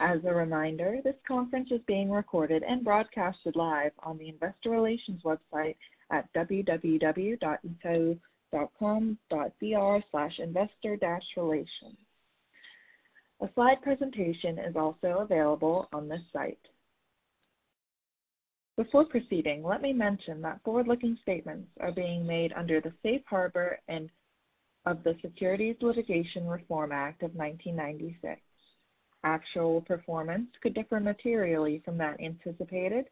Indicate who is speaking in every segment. Speaker 1: Before proceeding, let me mention that forward-looking statements are being made under the Safe Harbor of the Private Securities Litigation Reform Act of 1995. Actual performance could differ materially from that anticipated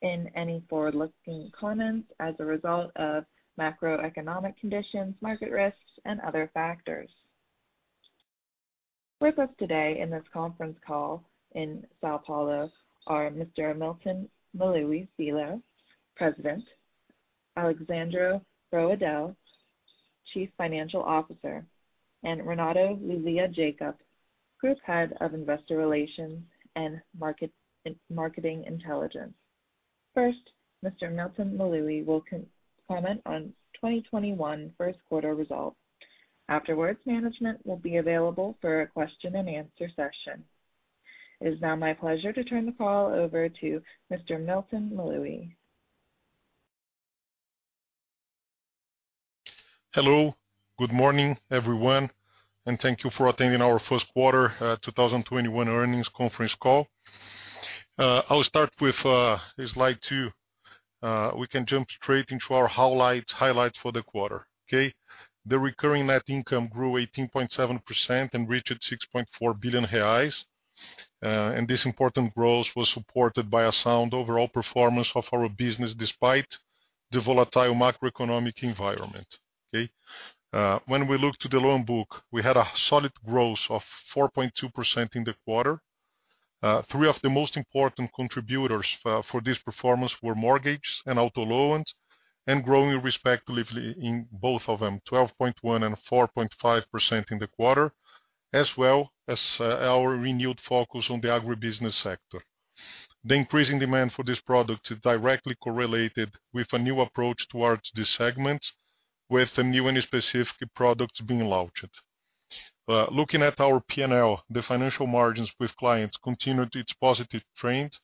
Speaker 1: in any forward-looking comments as a result of macroeconomic conditions, market risks, and other factors. With us today in this conference call in São Paulo are Mr. Milton Maluhy Filho, President, Alexsandro Broedel, Chief Financial Officer, and Renato Lúlia Jacob, Group Head of Investor Relations and Market Intelligence. First, Mr. Milton Maluhy will comment on 2021 first quarter results. Afterwards, management will be available for a question-and-answer session. It is now my pleasure to turn the call over to Mr. Milton Maluhy.
Speaker 2: Hello. Good morning, everyone, and thank you for attending our first quarter 2021 earnings conference call. I'll start with slide 2. We can jump straight into our highlights for the quarter. Okay. The recurring net income grew 18.7% and reached 6.4 billion reais. This important growth was supported by a sound overall performance of our business, despite the volatile macroeconomic environment. Okay. When we look to the loan book, we had a solid growth of 4.2% in the quarter. Three of the most important contributors for this performance were mortgage and auto loans, and growing respectively in both of them, 12.1% and 4.5% in the quarter, as well as our renewed focus on the agribusiness sector. The increasing demand for this product is directly correlated with a new approach towards this segment, with some new and specific products being launched. Looking at our P&L, the financial margins with clients continued its positive trend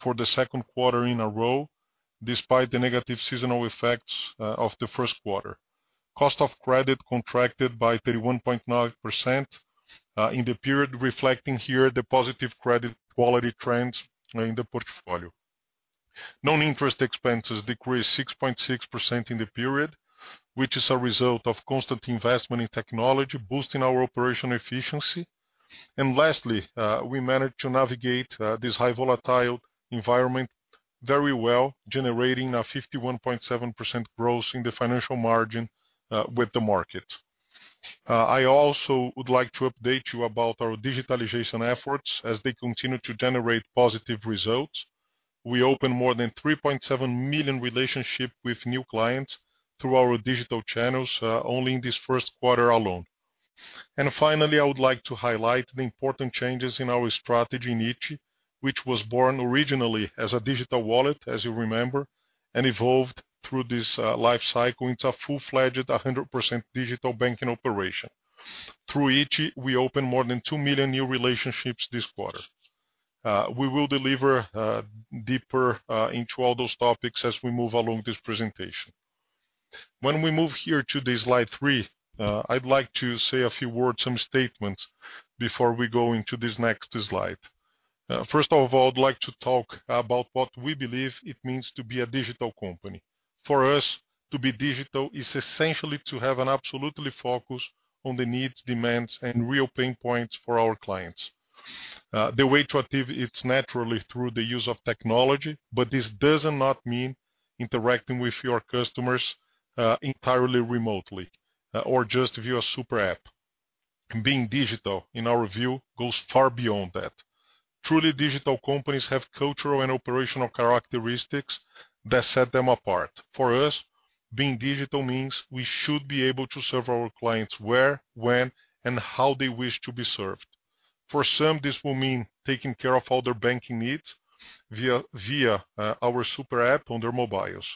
Speaker 2: for the second quarter in a row, despite the negative seasonal effects of the first quarter. Cost of credit contracted by 31.9% in the period, reflecting here the positive credit quality trends in the portfolio. Non-interest expenses decreased 6.6% in the period, which is a result of constant investment in technology, boosting our operational efficiency. Lastly, we managed to navigate this high volatile environment very well, generating a 51.7% growth in the financial margin with the market. I also would like to update you about our digitalization efforts as they continue to generate positive results. We opened more than 3.7 million relationships with new clients through our digital channels, only in this first quarter alone. Finally, I would like to highlight the important changes in our strategy in iti, which was born originally as a digital wallet, as you remember, and evolved through this life cycle into a full-fledged, 100% digital banking operation. Through iti, we opened more than 2 million new relationships this quarter. We will deliver deeper into all those topics as we move along this presentation. We move here to the slide 3, I'd like to say a few words, some statements, before we go into this next slide. First of all, I'd like to talk about what we believe it means to be a digital company. For us, to be digital is essentially to have an absolute focus on the needs, demands, and real pain points for our clients. The way to achieve it's naturally through the use of technology, but this does not mean interacting with your customers entirely remotely, or just via super app. Being digital, in our view, goes far beyond that. Truly digital companies have cultural and operational characteristics that set them apart. For us, being digital means we should be able to serve our clients where, when, and how they wish to be served. For some, this will mean taking care of all their banking needs via our super app on their mobiles.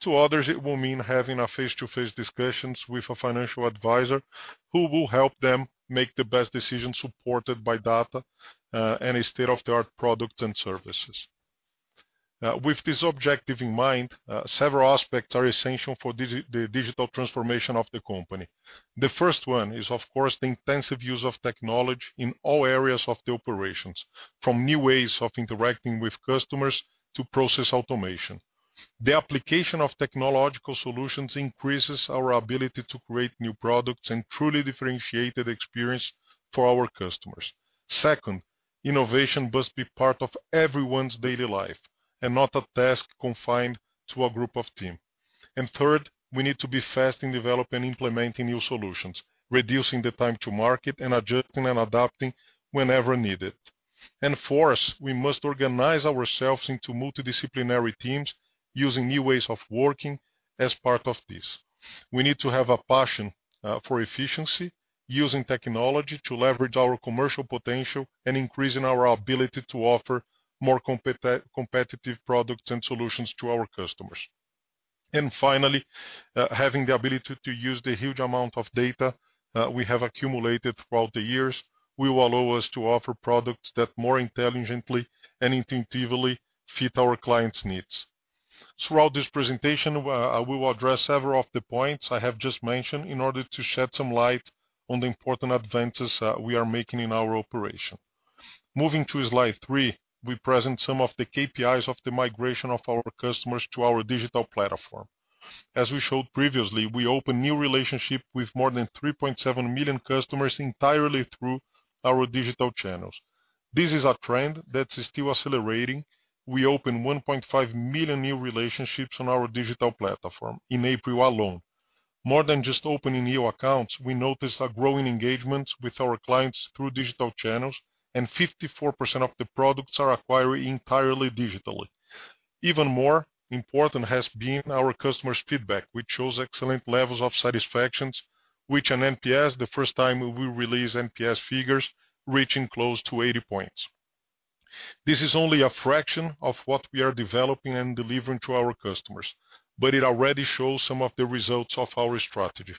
Speaker 2: To others, it will mean having a face-to-face discussions with a financial advisor who will help them make the best decision supported by data, and state-of-the-art products and services. With this objective in mind, several aspects are essential for the digital transformation of the company. The first one is, of course, the intensive use of technology in all areas of the operations, from new ways of interacting with customers to process automation. The application of technological solutions increases our ability to create new products and truly differentiated experience for our customers. Second, innovation must be part of everyone's daily life and not a task confined to a group of team. Third, we need to be fast in developing and implementing new solutions, reducing the time to market and adjusting and adapting whenever needed. Fourth, we must organize ourselves into multidisciplinary teams using new ways of working as part of this. We need to have a passion for efficiency, using technology to leverage our commercial potential and increasing our ability to offer more competitive products and solutions to our customers. Finally, having the ability to use the huge amount of data we have accumulated throughout the years will allow us to offer products that more intelligently and intuitively fit our clients' needs. Throughout this presentation, I will address several of the points I have just mentioned in order to shed some light on the important advances we are making in our operation. Moving to slide 3, we present some of the KPIs of the migration of our customers to our digital platform. As we showed previously, we opened new relationships with more than 3.7 million customers entirely through our digital channels. This is a trend that's still accelerating. We opened 1.5 million new relationships on our digital platform in April alone. More than just opening new accounts, we noticed a growing engagement with our clients through digital channels, and 54% of the products are acquired entirely digitally. Even more important has been our customers' feedback, which shows excellent levels of satisfaction, which an NPS, the first time we release NPS figures, reaching close to 80 points. This is only a fraction of what we are developing and delivering to our customers, but it already shows some of the results of our strategy.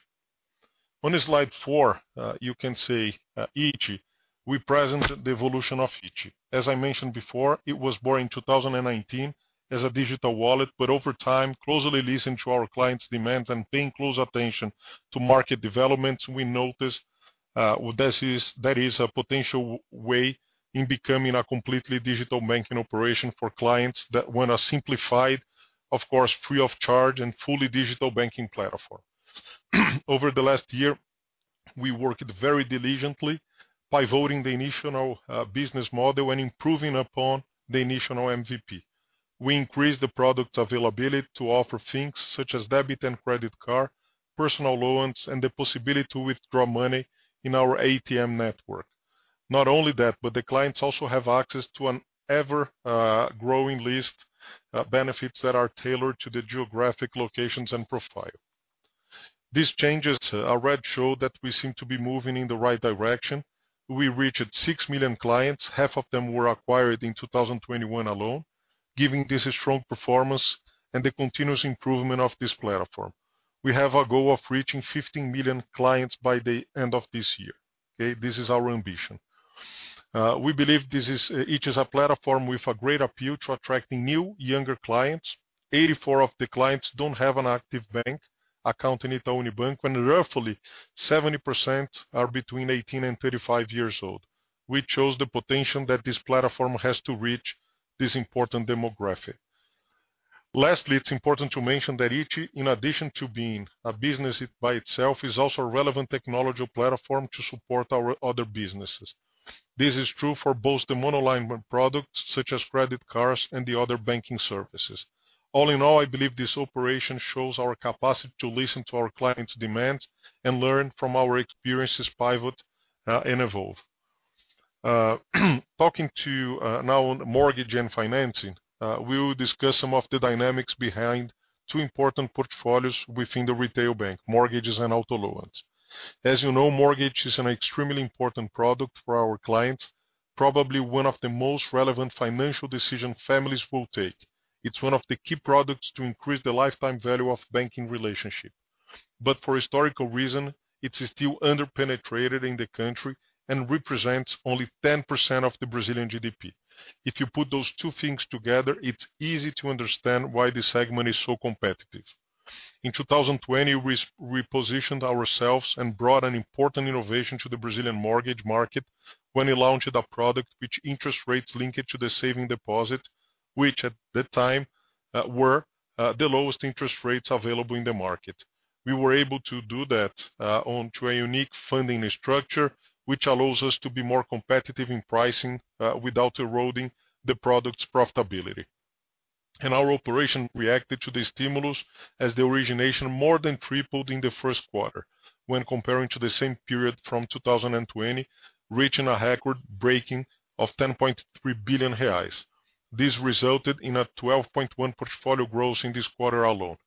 Speaker 2: On slide 4, you can see iti. We present the evolution of iti. As I mentioned before, it was born in 2019 as a digital wallet, but over time, closely listened to our clients' demands and paying close attention to market developments, we noticed there is a potential way in becoming a completely digital banking operation for clients that want a simplified, of course, free of charge and fully digital banking platform. Over the last year, we worked very diligently by pivoting the initial business model and improving upon the initial MVP. We increased the product availability to offer things such as debit and credit card, personal loans, and the possibility to withdraw money in our ATM network. Not only that, but the clients also have access to an ever-growing list of benefits that are tailored to the geographic locations and profile. These changes already show that we seem to be moving in the right direction. We reached 6 million clients. Half of them were acquired in 2021 alone, giving this a strong performance and the continuous improvement of this platform. We have a goal of reaching 15 million clients by the end of this year. Okay? This is our ambition. We believe iti is a platform with a great appeal to attracting new, younger clients. 84 of the clients don't have an active bank account in Itaú Unibanco. Roughly 70% are between 18 and 35 years old, which shows the potential that this platform has to reach this important demographic. Lastly, it's important to mention that iti, in addition to being a business by itself, is also a relevant technology platform to support our other businesses. This is true for both the monoline products, such as credit cards, and the other banking services. All in all, I believe this operation shows our capacity to listen to our clients' demands and learn from our experiences pivot and evolve. Talking to now mortgage and financing, we will discuss some of the dynamics behind two important portfolios within the retail bank, mortgages and auto loans. As you know, mortgage is an extremely important product for our clients, probably one of the most relevant financial decision families will take. It's one of the key products to increase the lifetime value of banking relationship. For historical reason, it's still under-penetrated in the country and represents only 10% of the Brazilian GDP. If you put those two things together, it's easy to understand why this segment is so competitive. In 2020, we repositioned ourselves and brought an important innovation to the Brazilian mortgage market when we launched a product which interest rates linked to the savings deposit, which at the time were the lowest interest rates available in the market. We were able to do that onto a unique funding structure, which allows us to be more competitive in pricing without eroding the product's profitability. Our operation reacted to the stimulus as the origination more than tripled in the first quarter when comparing to the same period from 2020, reaching a record-breaking of 10.3 billion reais. This resulted in a 12.1% portfolio growth in this quarter alone.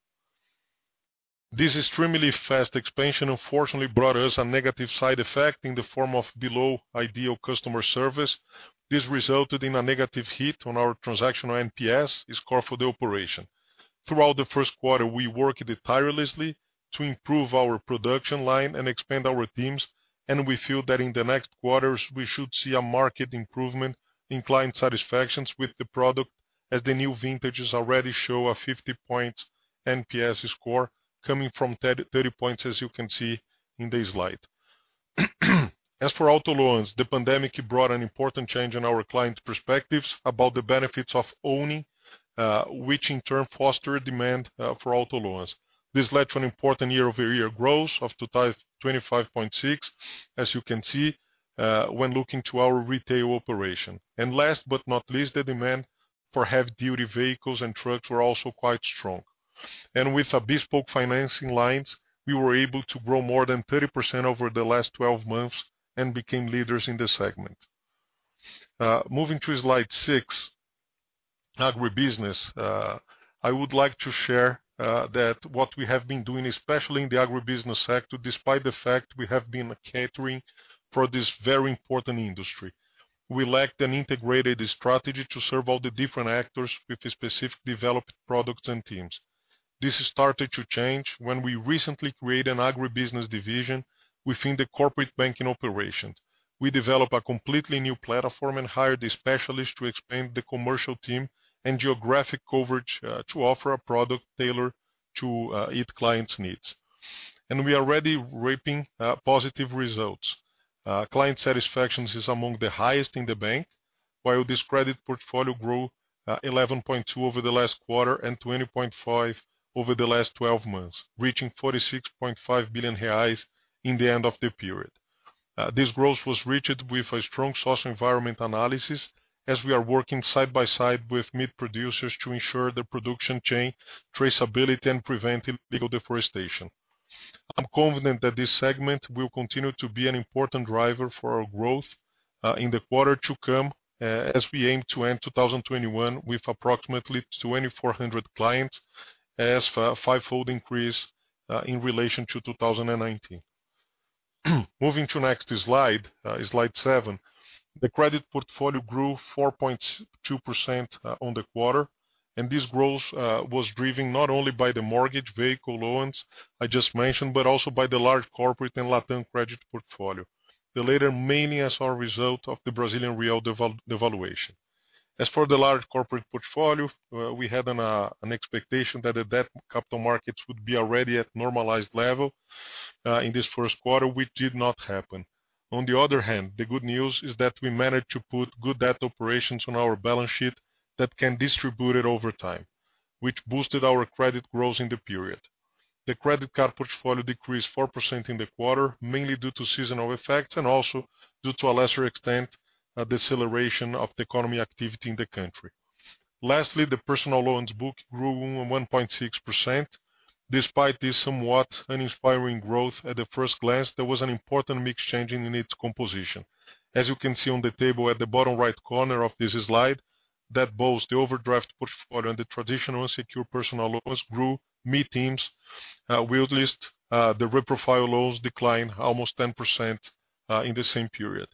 Speaker 2: This extremely fast expansion unfortunately brought us a negative side effect in the form of below ideal customer service. This resulted in a negative hit on our transactional NPS score for the operation. Throughout the first quarter, we worked tirelessly to improve our production line and expand our teams, and we feel that in the next quarters, we should see a market improvement in client satisfaction with the product as the new vintages already show a 50-point NPS score coming from 30 points, as you can see in the slide. As for auto loans, the pandemic brought an important change in our clients' perspectives about the benefits of owning, which in turn fostered demand for auto loans. This led to an important year-over-year growth of 25.6%, as you can see, when looking to our retail operation. Last but not least, the demand for heavy-duty vehicles and trucks were also quite strong. With a bespoke financing line, we were able to grow more than 30% over the last 12 months and became leaders in the segment. Moving to slide 6, agribusiness. I would like to share that what we have been doing, especially in the agribusiness sector, despite the fact we have been catering for this very important industry. We lacked an integrated strategy to serve all the different actors with specific developed products and teams. This started to change when we recently created an agribusiness division within the corporate banking operations. We developed a completely new platform and hired specialists to expand the commercial team and geographic coverage to offer a product tailored to each client's needs. We are already reaping positive results. Client satisfaction is among the highest in the bank, while this credit portfolio grew 11.2% over the last quarter and 20.5% over the last 12 months, reaching 46.5 billion reais in the end of the period. This growth was reached with a strong social environment analysis as we are working side by side with meat producers to ensure the production chain traceability and prevent illegal deforestation. I'm confident that this segment will continue to be an important driver for our growth in the quarter to come, as we aim to end 2021 with approximately 2,400 clients. As for a five-fold increase in relation to 2019. Moving to next slide 7. The credit portfolio grew 4.2% on the quarter, and this growth was driven not only by the mortgage vehicle loans I just mentioned, but also by the large corporate and LatAm credit portfolio. The latter mainly as a result of the Brazilian real devaluation. As for the large corporate portfolio, we had an expectation that the debt capital markets would be already at normalized level in this first quarter, which did not happen. On the other hand, the good news is that we managed to put good debt operations on our balance sheet that can distribute it over time, which boosted our credit growth in the period. The credit card portfolio decreased 4% in the quarter, mainly due to seasonal effects and also, due to a lesser extent, a deceleration of the economic activity in the country. Lastly, the personal loans book grew 1.6%. Despite this somewhat uninspiring growth at the first glance, there was an important mix change in its composition. As you can see on the table at the bottom right corner of this slide, that both the overdraft portfolio and the traditional unsecured personal loans grew mid-teens, whilst the reprofiled loans declined almost 10% in the same period.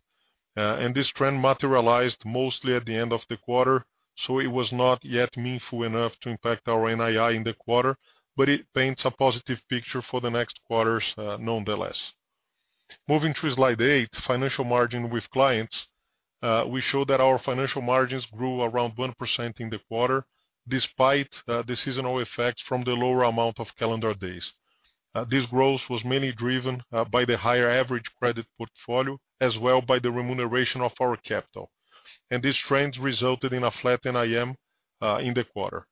Speaker 2: This trend materialized mostly at the end of the quarter, so it was not yet meaningful enough to impact our NII in the quarter, but it paints a positive picture for the next quarters, nonetheless. Moving to slide 8, financial margin with clients. We show that our financial margins grew around 1% in the quarter, despite the seasonal effect from the lower amount of calendar days. This growth was mainly driven by the higher average credit portfolio, as well by the remuneration of our capital. This trend resulted in a flat NIM in the quarter.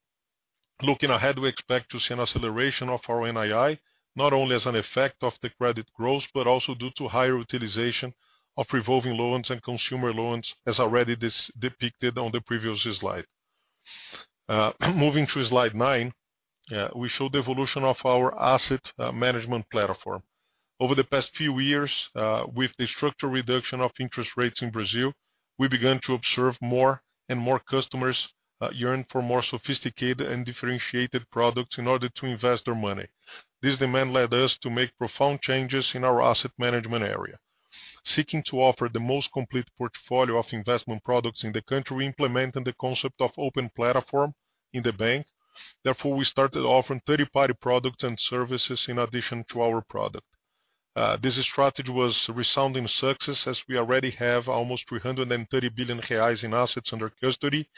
Speaker 2: Looking ahead, we expect to see an acceleration of our NII, not only as an effect of the credit growth, but also due to higher utilization of revolving loans and consumer loans, as already depicted on the previous slide. Moving to slide 9, we show the evolution of our asset management platform. Over the past few years, with the structural reduction of interest rates in Brazil, we began to observe more and more customers yearn for more sophisticated and differentiated products in order to invest their money. This demand led us to make profound changes in our asset management area. Seeking to offer the most complete portfolio of investment products in the country, we implemented the concept of open platform in the bank. We started offering third-party products and services in addition to our product. This strategy was a resounding success as we already have almost 330 billion reais in assets under custody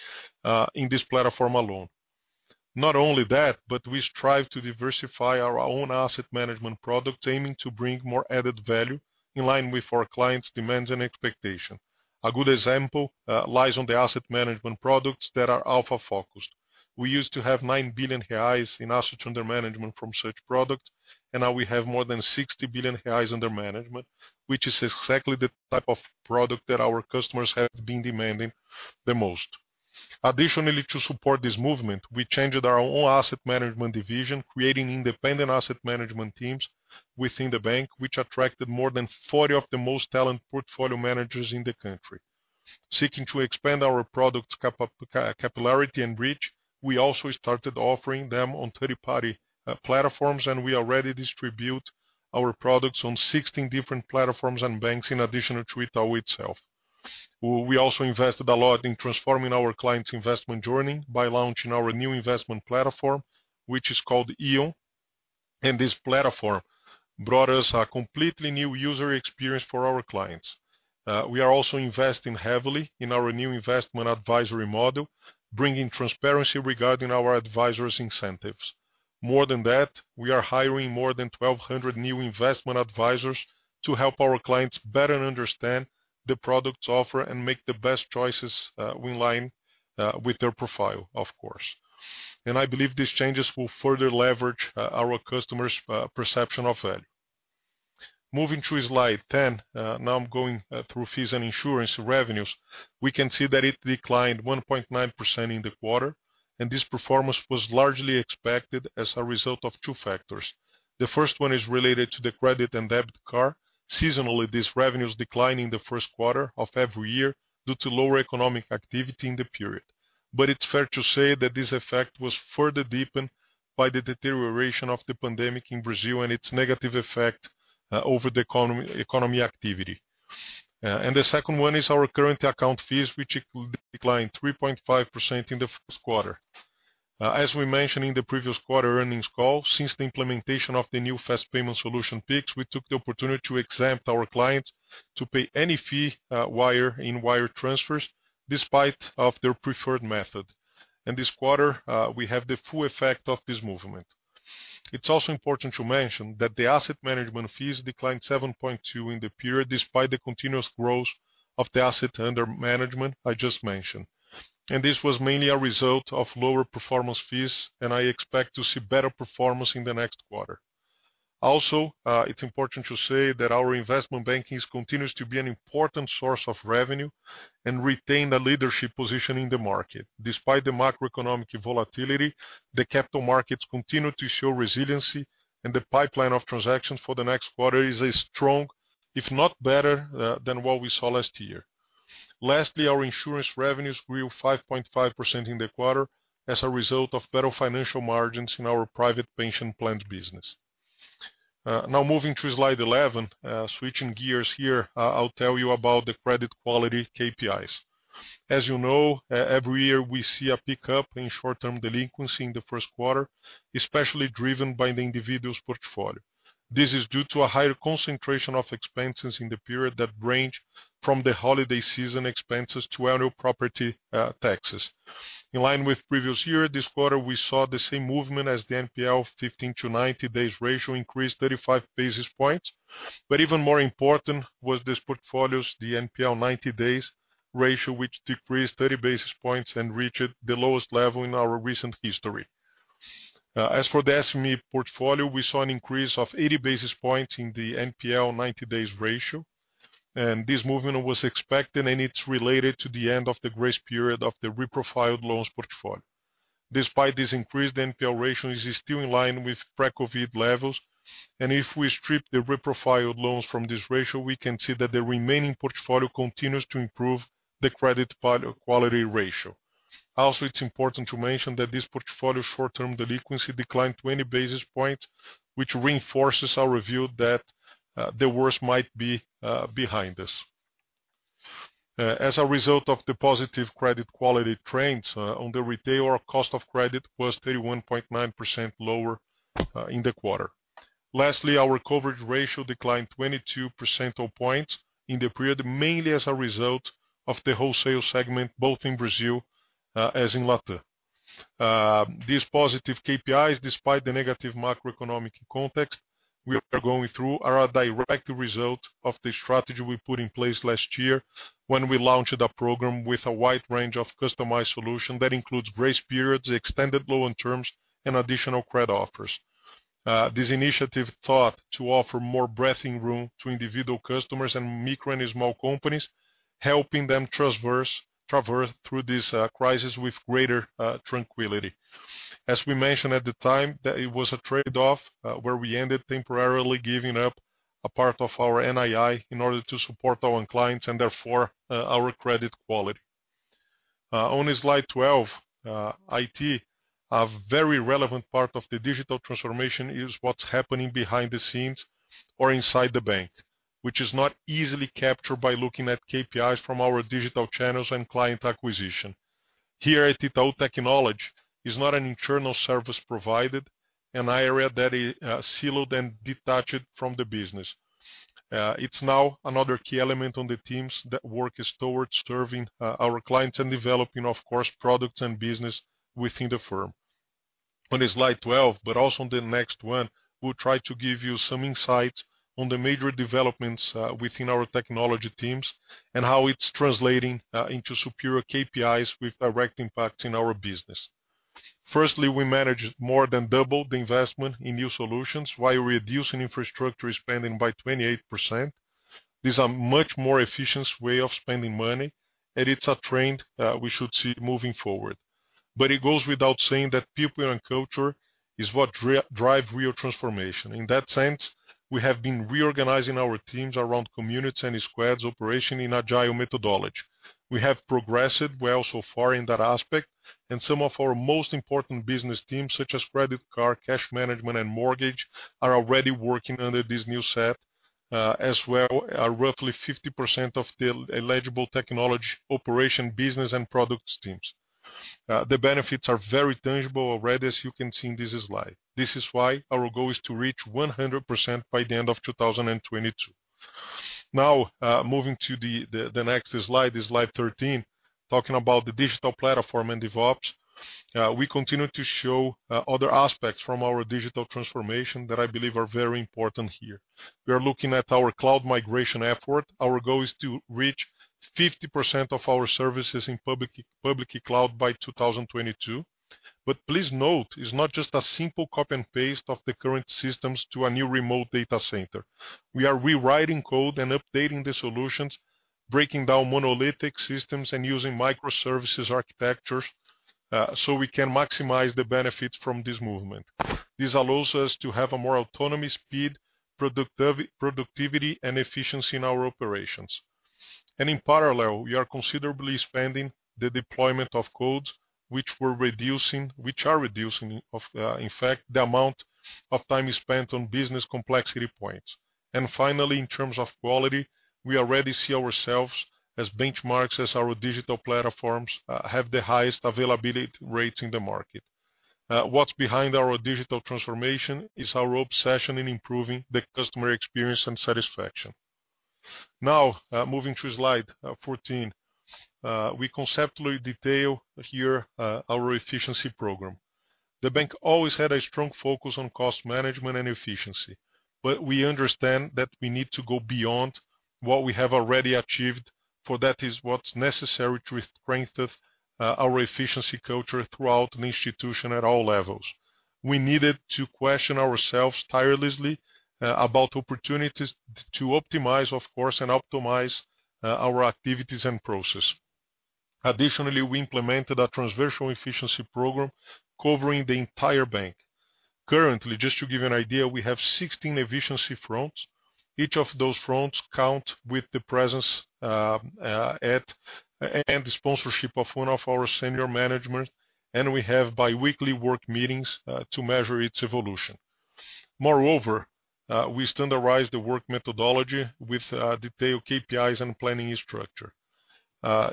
Speaker 2: in this platform alone. Not only that, but we strive to diversify our own asset management product, aiming to bring more added value in line with our clients' demands and expectation. A good example lies on the asset management products that are alpha-focused. We used to have 9 billion reais in assets under management from such products, and now we have more than 60 billion reais under management, which is exactly the type of product that our customers have been demanding the most. Additionally, to support this movement, we changed our own asset management division, creating independent asset management teams within the bank, which attracted more than 40 of the most talent portfolio managers in the country. Seeking to expand our product popularity and reach, we also started offering them on third party platforms. We already distribute our products on 16 different platforms and banks in addition to Itaú itself. We also invested a lot in transforming our clients' investment journey by launching our new investment platform, which is called íon. This platform brought us a completely new user experience for our clients. We are also investing heavily in our new investment advisory model, bringing transparency regarding our advisors' incentives. More than that, we are hiring more than 1,200 new investment advisors to help our clients better understand the products offered and make the best choices in line with their profile, of course. I believe these changes will further leverage our customers' perception of value. Moving to slide 10. Now I'm going through fees and insurance revenues. We can see that it declined 1.9% in the quarter, and this performance was largely expected as a result of two factors. The first one is related to the credit and debit card. Seasonally, this revenues decline in the first quarter of every year due to lower economic activity in the period. It's fair to say that this effect was further deepened by the deterioration of the pandemic in Brazil and its negative effect over the economic activity. The second one is our current account fees, which declined 3.5% in the first quarter. As we mentioned in the previous quarter earnings call, since the implementation of the new fast payment solution, Pix, we took the opportunity to exempt our clients to pay any fee in wire transfers, despite of their preferred method. In this quarter, we have the full effect of this movement. It's also important to mention that the asset management fees declined 7.2% in the period, despite the continuous growth of the asset under management I just mentioned. This was mainly a result of lower performance fees, and I expect to see better performance in the next quarter. Also, it's important to say that our investment banking continues to be an important source of revenue and retain the leadership position in the market. Despite the macroeconomic volatility, the capital markets continue to show resiliency, and the pipeline of transactions for the next quarter is as strong, if not better, than what we saw last year. Lastly, our insurance revenues grew 5.5% in the quarter as a result of better financial margins in our private pension plan business. Now moving to slide 11. Switching gears here, I'll tell you about the credit quality KPIs. As you know, every year we see a pickup in short-term delinquency in the first quarter, especially driven by the individuals' portfolio. This is due to a higher concentration of expenses in the period that range from the holiday season expenses to annual property taxes. In line with previous year, this quarter, we saw the same movement as the NPL 15 to 90 days ratio increased 35 basis points. Even more important was this portfolio's, the NPL 90 days ratio, which decreased 30 basis points and reached the lowest level in our recent history. As for the SME portfolio, we saw an increase of 80 basis points in the NPL 90 days ratio, and this movement was expected, and it's related to the end of the grace period of the reprofiled loans portfolio. Despite this increase, the NPL ratio is still in line with pre-COVID levels, and if we strip the reprofiled loans from this ratio, we can see that the remaining portfolio continues to improve the credit quality ratio. Also, it's important to mention that this portfolio short-term delinquency declined 20 basis points, which reinforces our review that the worst might be behind us. As a result of the positive credit quality trends on the retail, our cost of credit was 31.9% lower in the quarter. Lastly, our coverage ratio declined 22 percentage points in the period, mainly as a result of the wholesale segment, both in Brazil as in LatAm. These positive KPIs, despite the negative macroeconomic context we are going through, are a direct result of the strategy we put in place last year when we launched a program with a wide range of customized solution that includes grace periods, extended loan terms, and additional credit offers. This initiative sought to offer more breathing room to individual customers and micro and small companies, helping them traverse through this crisis with greater tranquility. As we mentioned at the time, that it was a trade-off, where we ended temporarily giving up a part of our NII in order to support our own clients and therefore, our credit quality. On slide 12, IT, a very relevant part of the digital transformation is what's happening behind the scenes or inside the bank, which is not easily captured by looking at KPIs from our digital channels and client acquisition. Here at Itaú, technology is not an internal service provider, an area that is siloed and detached from the business. It's now another key element on the teams that work towards serving our clients and developing, of course, products and business within the firm. On slide 12, but also on the next one, we'll try to give you some insights on the major developments within our technology teams and how it's translating into superior KPIs with direct impact in our business. Firstly, we manage more than double the investment in new solutions while reducing infrastructure spending by 28%. This a much more efficient way of spending money, and it's a trend we should see moving forward. It goes without saying that people and culture is what drive real transformation. In that sense, we have been reorganizing our teams around communities and squads operation in agile methodology. We have progressed well so far in that aspect, and some of our most important business teams, such as credit card, cash management, and mortgage, are already working under this new set, as well are roughly 50% of the eligible technology, operation, business, and product teams. The benefits are very tangible already, as you can see in this slide. This is why our goal is to reach 100% by the end of 2022. Now, moving to the next slide 13, talking about the digital platform and DevOps. We continue to show other aspects from our digital transformation that I believe are very important here. We are looking at our cloud migration effort. Our goal is to reach 50% of our services in public cloud by 2022. Please note, it's not just a simple copy and paste of the current systems to a new remote data center. We are rewriting code and updating the solutions. Breaking down monolithic systems and using microservices architectures so we can maximize the benefits from this movement. This allows us to have more autonomy, speed, productivity, and efficiency in our operations. In parallel, we are considerably expanding the deployment of codes, which are reducing, in fact, the amount of time spent on business complexity points. Finally, in terms of quality, we already see ourselves as benchmarks, as our digital platforms have the highest availability rates in the market. What's behind our digital transformation is our obsession in improving the customer experience and satisfaction. Moving to slide 14. We conceptually detail here our efficiency program. The bank always had a strong focus on cost management and efficiency. We understand that we need to go beyond what we have already achieved, for that is what's necessary to strengthen our efficiency culture throughout the institution at all levels. We needed to question ourselves tirelessly about opportunities to optimize, of course, and optimize our activities and process. Additionally, we implemented a transversal efficiency program covering the entire bank. Currently, just to give you an idea, we have 16 efficiency fronts. Each of those fronts count with the presence and the sponsorship of one of our senior management, and we have bi-weekly work meetings to measure its evolution. Moreover, we standardize the work methodology with detailed KPIs and planning structure.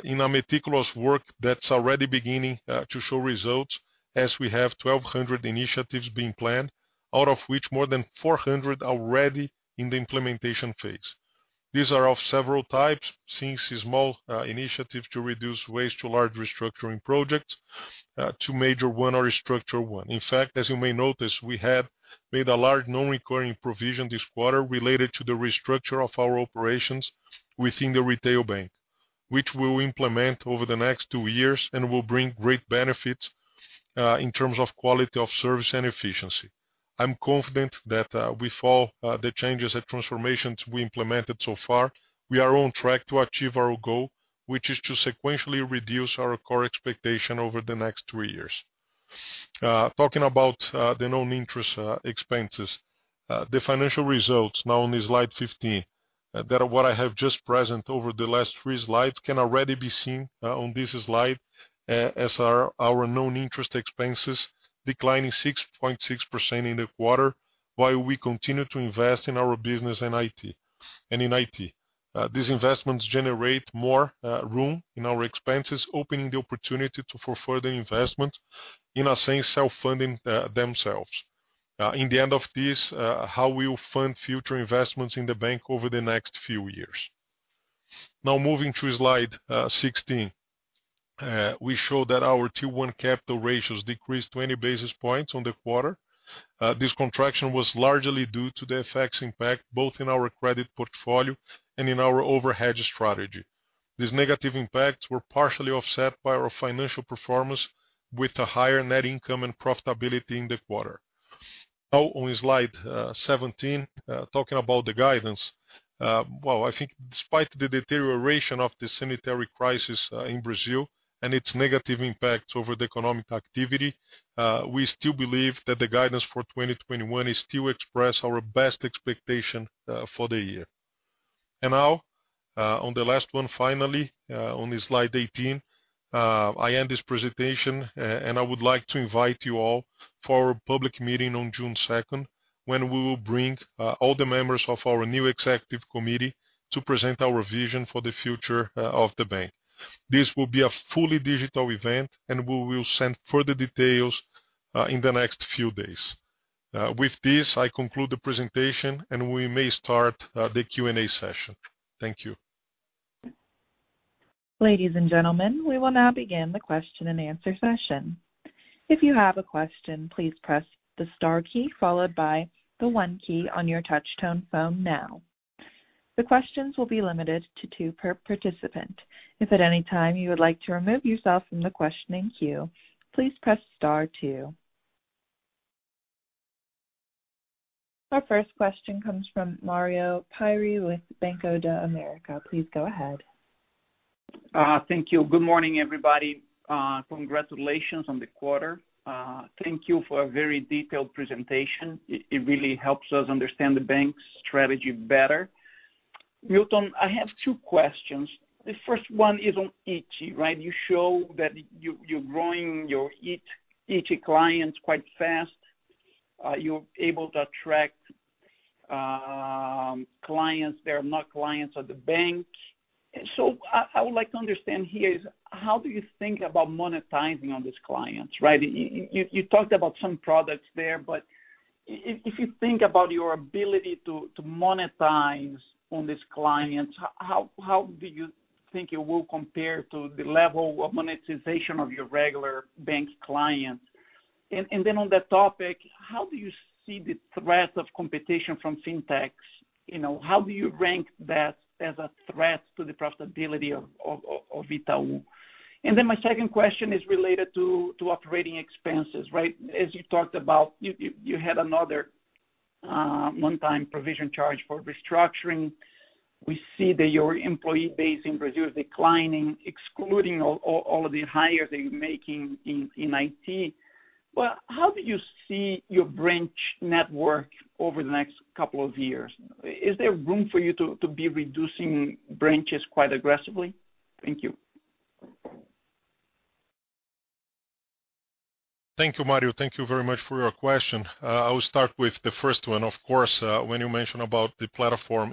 Speaker 2: In our meticulous work that's already beginning to show results as we have 1,200 initiatives being planned, out of which more than 400 are already in the implementation phase. These are of several types, since a small initiative to reduce waste to large restructuring projects, to major one or structure one. In fact, as you may notice, we have made a large non-recurring provision this quarter related to the restructure of our operations within the retail bank. Which we'll implement over the next two years and will bring great benefits in terms of quality of service and efficiency. I'm confident that with all the changes and transformations we implemented so far, we are on track to achieve our goal, which is to sequentially reduce our core expenditure over the next three years. Talking about the non-interest expenses, the financial results now on slide 15, that what I have just presented over the last three slides can already be seen on this slide, as are our non-interest expenses declining 6.6% in the quarter, while we continue to invest in our business and in IT. These investments generate more room in our expenses, opening the opportunity for further investment, in a sense, self-funding themselves. In the end of this is how we will fund future investments in the bank over the next few years. Moving to slide 16. We show that our Tier 1 capital ratios decreased 20 basis points on the quarter. This contraction was largely due to the impact, both in our credit portfolio and in our overhedge strategy. These negative impacts were partially offset by our financial performance with a higher net income and profitability in the quarter. On slide 17, talking about the guidance. Well, I think despite the deterioration of the sanitary crisis in Brazil and its negative impact over the economic activity, we still believe that the guidance for 2021 still express our best expectation for the year. On the last one, finally, on slide 18, I end this presentation, and I would like to invite you all for a public meeting on June 2nd, when we will bring all the members of our new executive committee to present our vision for the future of the bank. This will be a fully digital event, and we will send further details in the next few days. With this, I conclude the presentation, and we may start the Q&A session. Thank you.
Speaker 1: Ladies and gentlemen, we will now begin the question and answer session. If you have a question, please press the star key followed by the one key on your touch tone phone now. The questions will be limited to two per participant. If at any time you would like to remove yourself from the questioning queue, please press star two. Our first question comes from Mario Pierry with Bank of America. Please go ahead.
Speaker 3: Thank you. Good morning, everybody. Congratulations on the quarter. Thank you for a very detailed presentation. It really helps us understand the bank's strategy better. Milton, I have two questions. The first one is on iti. You show that you're growing your iti clients quite fast. You're able to attract clients that are not clients of the bank. I would like to understand here is, how do you think about monetizing on these clients? You talked about some products there, but if you think about your ability to monetize on these clients, how do you think it will compare to the level of monetization of your regular bank clients? On that topic, how do you see the threat of competition from fintechs? How do you rank that as a threat to the profitability of Itaú? My second question is related to operating expenses. As you talked about, you had another one-time provision charge for restructuring. We see that your employee base in Brazil is declining, excluding all of the hires that you're making in iti. How do you see your branch network over the next couple of years? Is there room for you to be reducing branches quite aggressively? Thank you.
Speaker 2: Thank you, Mario. Thank you very much for your question. I will start with the first one, of course, when you mention about iti platform.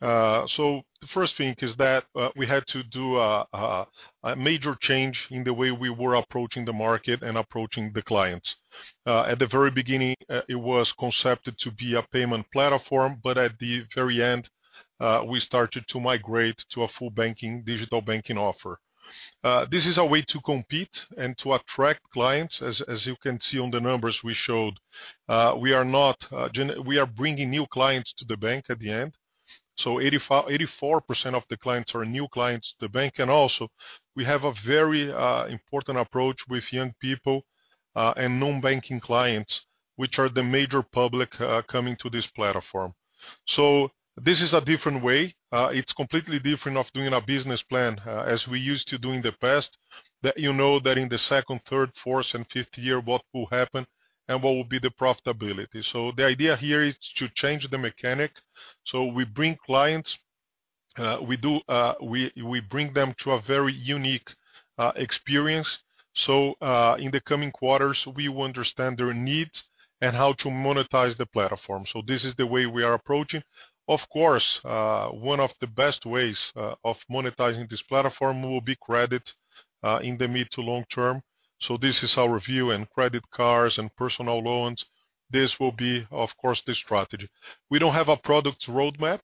Speaker 2: The first thing is that we had to do a major change in the way we were approaching the market and approaching the clients. At the very beginning, it was conceived to be a payment platform, but at the very end, we started to migrate to a full digital banking offer. This is our way to compete and to attract clients. As you can see on the numbers we showed, we are bringing new clients to the bank at the end. 84% of the clients are new clients to the bank, and also, we have a very important approach with young people and non-banking clients, which are the major public coming to this platform. This is a different way. It's completely different of doing a business plan as we used to do in the past, that you know that in the second, third, fourth, and fifth year, what will happen and what will be the profitability. The idea here is to change the mechanic. We bring clients, we bring them to a very unique experience. In the coming quarters, we will understand their needs and how to monetize the platform. This is the way we are approaching. Of course, one of the best ways of monetizing this platform will be credit in the mid to long term. This is our view in credit cards and personal loans. This will be, of course, the strategy. We don't have a product roadmap.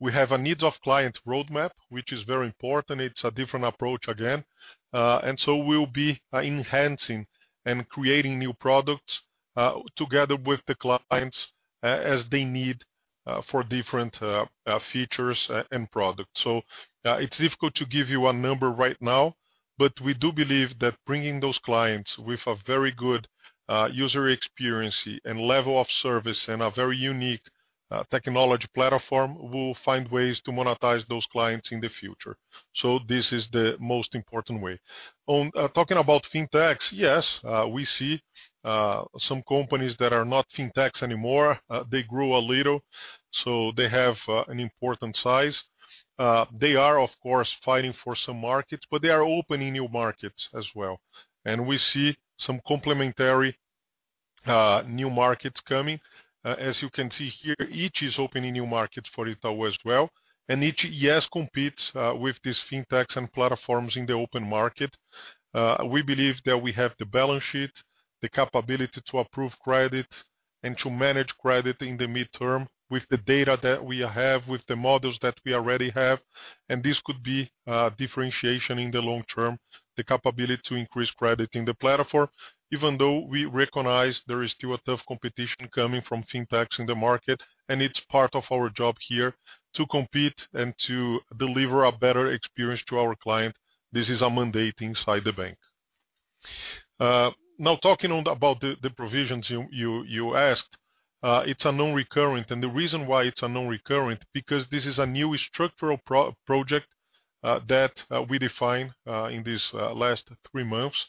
Speaker 2: We have a needs-of-client roadmap, which is very important. It's a different approach again. We'll be enhancing and creating new products together with the clients as they need for different features and products. It's difficult to give you a number right now, but we do believe that bringing those clients with a very good user experience and level of service and a very unique technology platform, we'll find ways to monetize those clients in the future. This is the most important way. Talking about fintechs, yes, we see some companies that are not fintechs anymore. They grew a little, so they have an important size. They are, of course, fighting for some markets, but they are opening new markets as well. We see some complementary new markets coming. As you can see here, iti is opening new markets for Itaú as well. iti, yes, competes with these fintechs and platforms in the open market. We believe that we have the balance sheet, the capability to approve credit and to manage credit in the midterm with the data that we have, with the models that we already have, and this could be a differentiation in the long term, the capability to increase credit in the platform, even though we recognize there is still a tough competition coming from fintechs in the market, and it's part of our job here to compete and to deliver a better experience to our client. This is a mandate inside the bank. Talking about the provisions you asked. It's a non-recurrent, and the reason why it's a non-recurrent, because this is a new structural project that we defined in these last three months.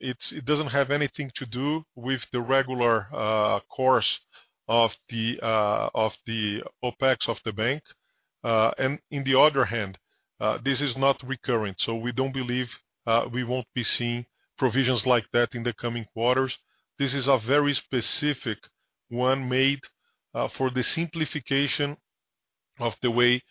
Speaker 2: It doesn't have anything to do with the regular course of the OpEx of the bank. On the other hand, this is not recurrent, so we won't be seeing provisions like that in the coming quarters. This is a very specific one made for the simplification of the way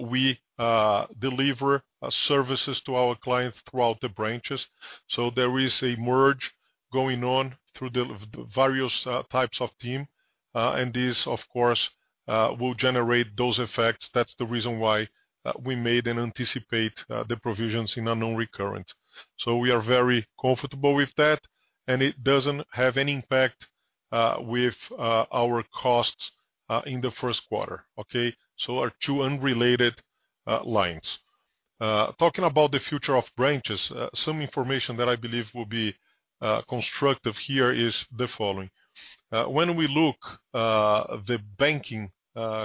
Speaker 2: we deliver services to our clients throughout the branches. There is a merge going on through the various types of team. This, of course, will generate those effects. That's the reason why we made and anticipate the provisions in a non-recurrent. We are very comfortable with that, and it doesn't have any impact with our costs in the first quarter. Okay? Are two unrelated lines. Talking about the future of branches, some information that I believe will be constructive here is the following. When we look at the banking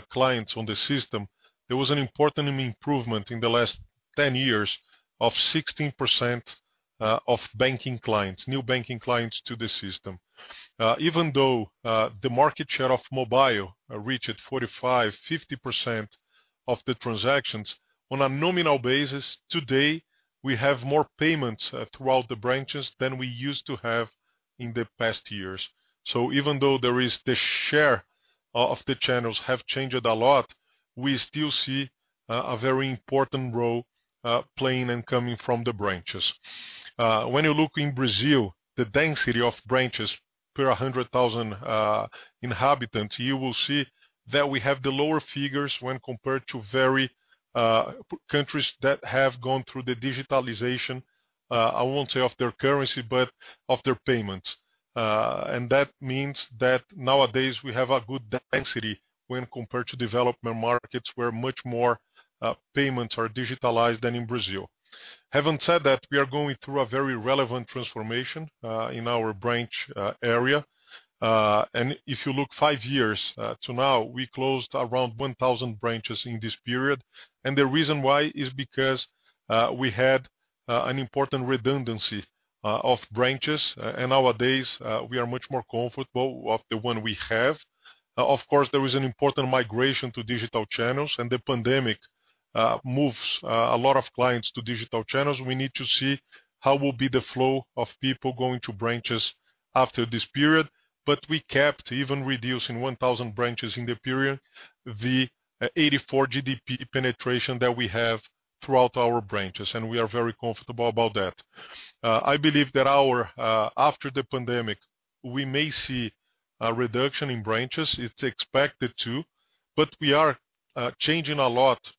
Speaker 2: clients on the system, there was an important improvement in the last 10 years of 16% of banking clients, new banking clients to the system. Even though the market share of mobile reached 45%-50% of the transactions, on a nominal basis, today, we have more payments throughout the branches than we used to have in the past years. Even though the share of the channels have changed a lot, we still see a very important role playing and coming from the branches. When you look in Brazil, the density of branches per 100,000 inhabitants, you will see that we have the lower figures when compared to countries that have gone through the digitalization. I won't say of their currency, but of their payments. That means that nowadays we have a good density when compared to developed markets, where much more payments are digitized than in Brazil. Having said that, we are going through a very relevant transformation in our branch area. If you look five years to now, we closed around 1,000 branches in this period. The reason why is because we had an important redundancy of branches. Nowadays, we are much more comfortable with the ones we have. Of course, there is an important migration to digital channels, and the pandemic moves a lot of clients to digital channels. We need to see how will be the flow of people going to branches after this period. We kept even reducing 1,000 branches in the period, the 84 GDP penetration that we have throughout our branches, and we are very comfortable about that. I believe that after the pandemic, we may see a reduction in branches. It's expected to. We are changing a lot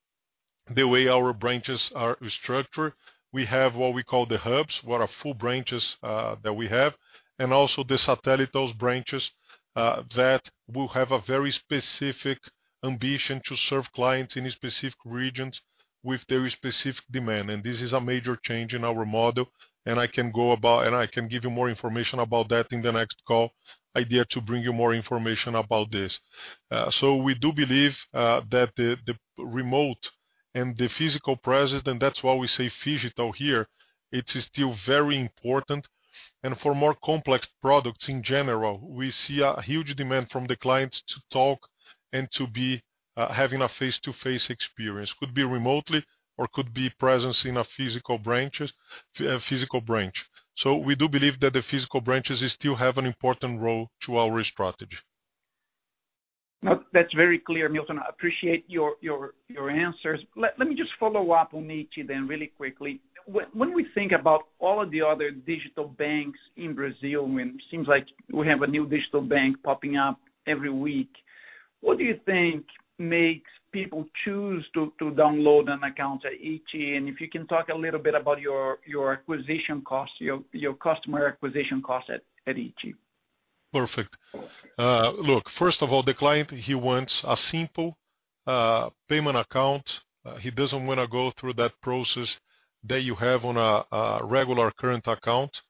Speaker 2: the way our branches are structured. We have what we call the hubs, what are full branches that we have. Also the satellite branches that will have a very specific ambition to serve clients in specific regions with their specific demand. This is a major change in our model, and I can give you more information about that in the next call. I'd be here to bring you more information about this. We do believe that the remote and the physical presence, and that's why we say phygital here, it's still very important. For more complex products in general, we see a huge demand from the clients to talk and to be having a face-to-face experience. Could be remotely or could be presence in a physical branch. We do believe that the physical branches still have an important role to our strategy.
Speaker 3: No, that's very clear, Milton. I appreciate your answers. Let me just follow up on iti then really quickly. When we think about all of the other digital banks in Brazil, when it seems like we have a new digital bank popping up every week, what do you think makes people choose to download an account at iti? If you can talk a little bit about your acquisition cost, your customer acquisition cost at iti.
Speaker 2: Perfect. Look, first of all, the client, he wants a simple payment account. He doesn't want to go through that process that you have on a regular current account.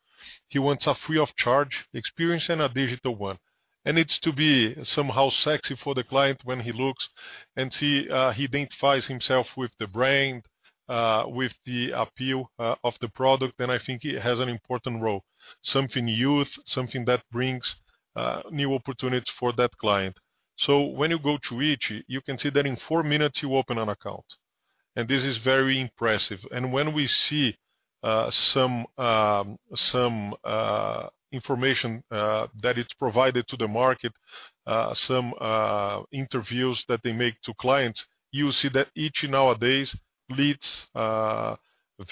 Speaker 2: He wants a free of charge experience and a digital one. It's to be somehow sexy for the client when he looks and see, he identifies himself with the brand, with the appeal of the product, and I think it has an important role. Something youth, something that brings new opportunities for that client. When you go to iti, you can see that in four minutes you open an account, and this is very impressive. When we see some information that it's provided to the market, some interviews that they make to clients, you see that iti nowadays leads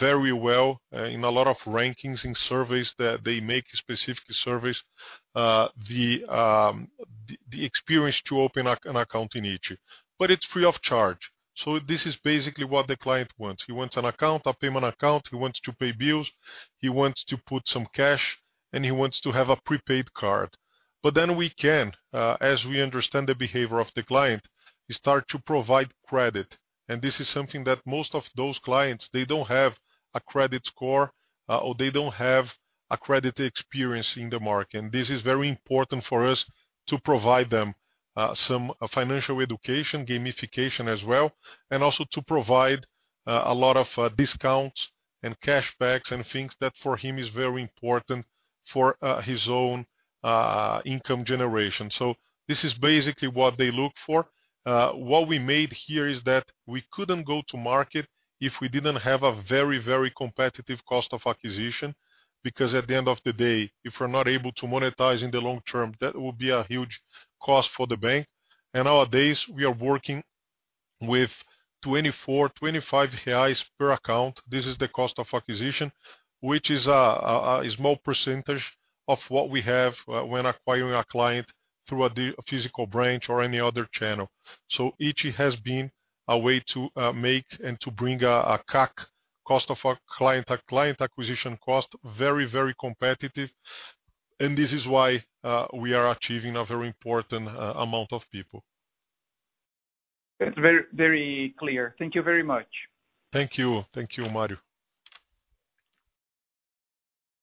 Speaker 2: very well in a lot of rankings and surveys that they make, specific surveys, the experience to open an account in iti. It's free of charge. This is basically what the client wants. He wants an account, a payment account. He wants to pay bills. He wants to put some cash, and he wants to have a prepaid card. Then we can, as we understand the behavior of the client, start to provide credit. This is something that most of those clients, they don't have a credit score, or they don't have a credit experience in the market. This is very important for us to provide them some financial education, gamification as well, and also to provide a lot of discounts and cashbacks and things that for them is very important for their own income generation. This is basically what they look for. What we made here is that we couldn't go to market if we didn't have a very competitive cost of acquisition, because at the end of the day, if we're not able to monetize in the long term, that would be a huge cost for the bank. Nowadays, we are working with 24-25 reais per account. This is the cost of acquisition, which is a small percentage of what we have when acquiring a client through a physical branch or any other channel. iti has been a way to make and to bring a CAC, cost of, Client Acquisition Cost very competitive. This is why we are achieving a very important amount of people.
Speaker 3: It's very clear. Thank you very much.
Speaker 2: Thank you, Mario.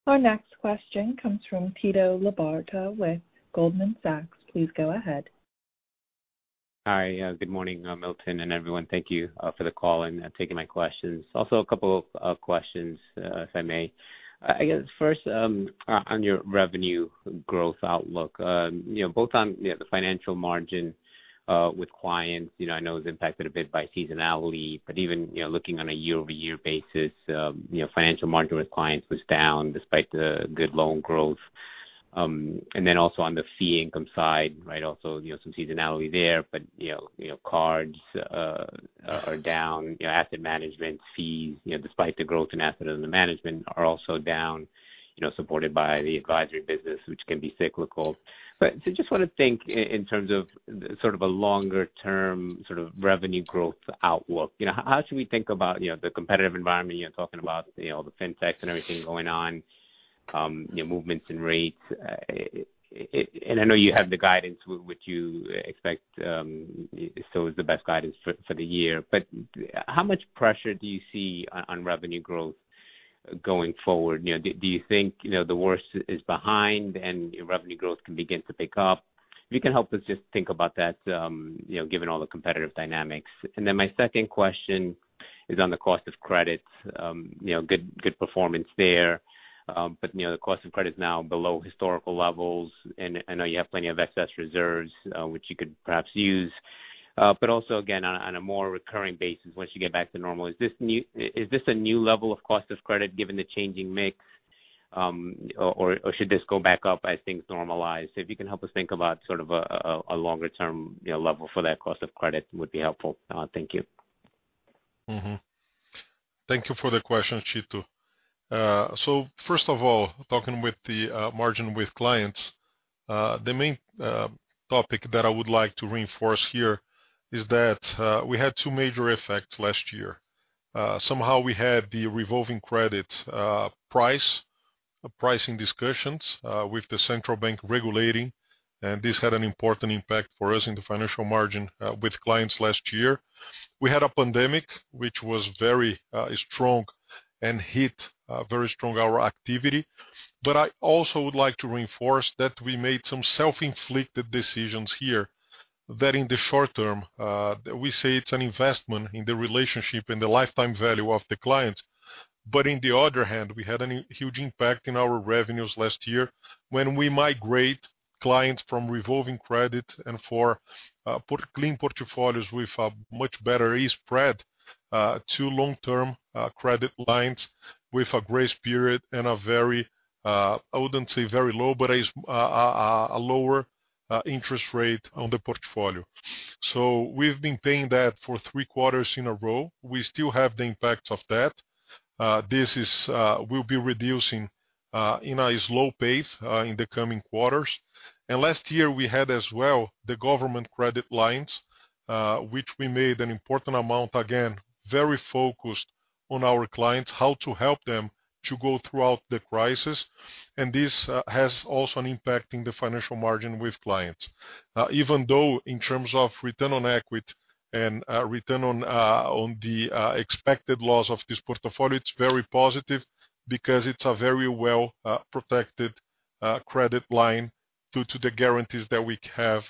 Speaker 1: Our next question comes from Tito Labarta with Goldman Sachs. Please go ahead.
Speaker 4: Hi. Good morning, Milton and everyone. Thank you for the call and taking my questions. A couple of questions, if I may. I guess first, on your revenue growth outlook. Both on the financial margin with clients, I know it was impacted a bit by seasonality, but even looking on a year-over-year basis, financial margin with clients was down despite the good loan growth. Also on the fee income side, right, also some seasonality there. Cards are down, asset management fees, despite the growth in asset under management are also down, supported by the advisory business, which can be cyclical. I just want to think in terms of sort of a longer-term sort of revenue growth outlook. How should we think about the competitive environment you're talking about, the fintechs and everything going on movements in rates? I know you have the guidance, which you expect, so is the best guidance for the year. How much pressure do you see on revenue growth going forward? Do you think the worst is behind and revenue growth can begin to pick up? If you can help us just think about that given all the competitive dynamics. My second question is on the cost of credits. Good performance there. The cost of credit is now below historical levels, and I know you have plenty of excess reserves, which you could perhaps use. Also, again, on a more recurring basis, once you get back to normal, is this a new level of cost of credit given the changing mix, or should this go back up as things normalize? If you can help us think about a longer-term level for that cost of credit would be helpful. Thank you.
Speaker 2: Thank you for the question, Tito Labarta. First of all, talking with the margin with clients, the main topic that I would like to reinforce here is that we had two major effects last year. Somehow we had the revolving credit pricing discussions with the Central Bank regulating, and this had an important impact for us in the financial margin with clients last year. We had a pandemic, which was very strong and hit very strong our activity. I also would like to reinforce that we made some self-inflicted decisions here, that in the short term, we say it's an investment in the relationship and the lifetime value of the client. In the other hand, we had a huge impact in our revenues last year when we migrate clients from revolving credit and for clean portfolios with a much better spread to long-term credit lines with a grace period and a very, I wouldn't say very low, but a lower interest rate on the portfolio. We've been paying that for three quarters in a row. We still have the impact of that. This will be reducing in a slow pace in the coming quarters. Last year we had as well the government credit lines, which we made an important amount, again, very focused on our clients, how to help them to go throughout the crisis. This has also an impact in the financial margin with clients. Even though in terms of return on equity and return on the expected loss of this portfolio, it's very positive because it's a very well-protected credit line due to the guarantees that we have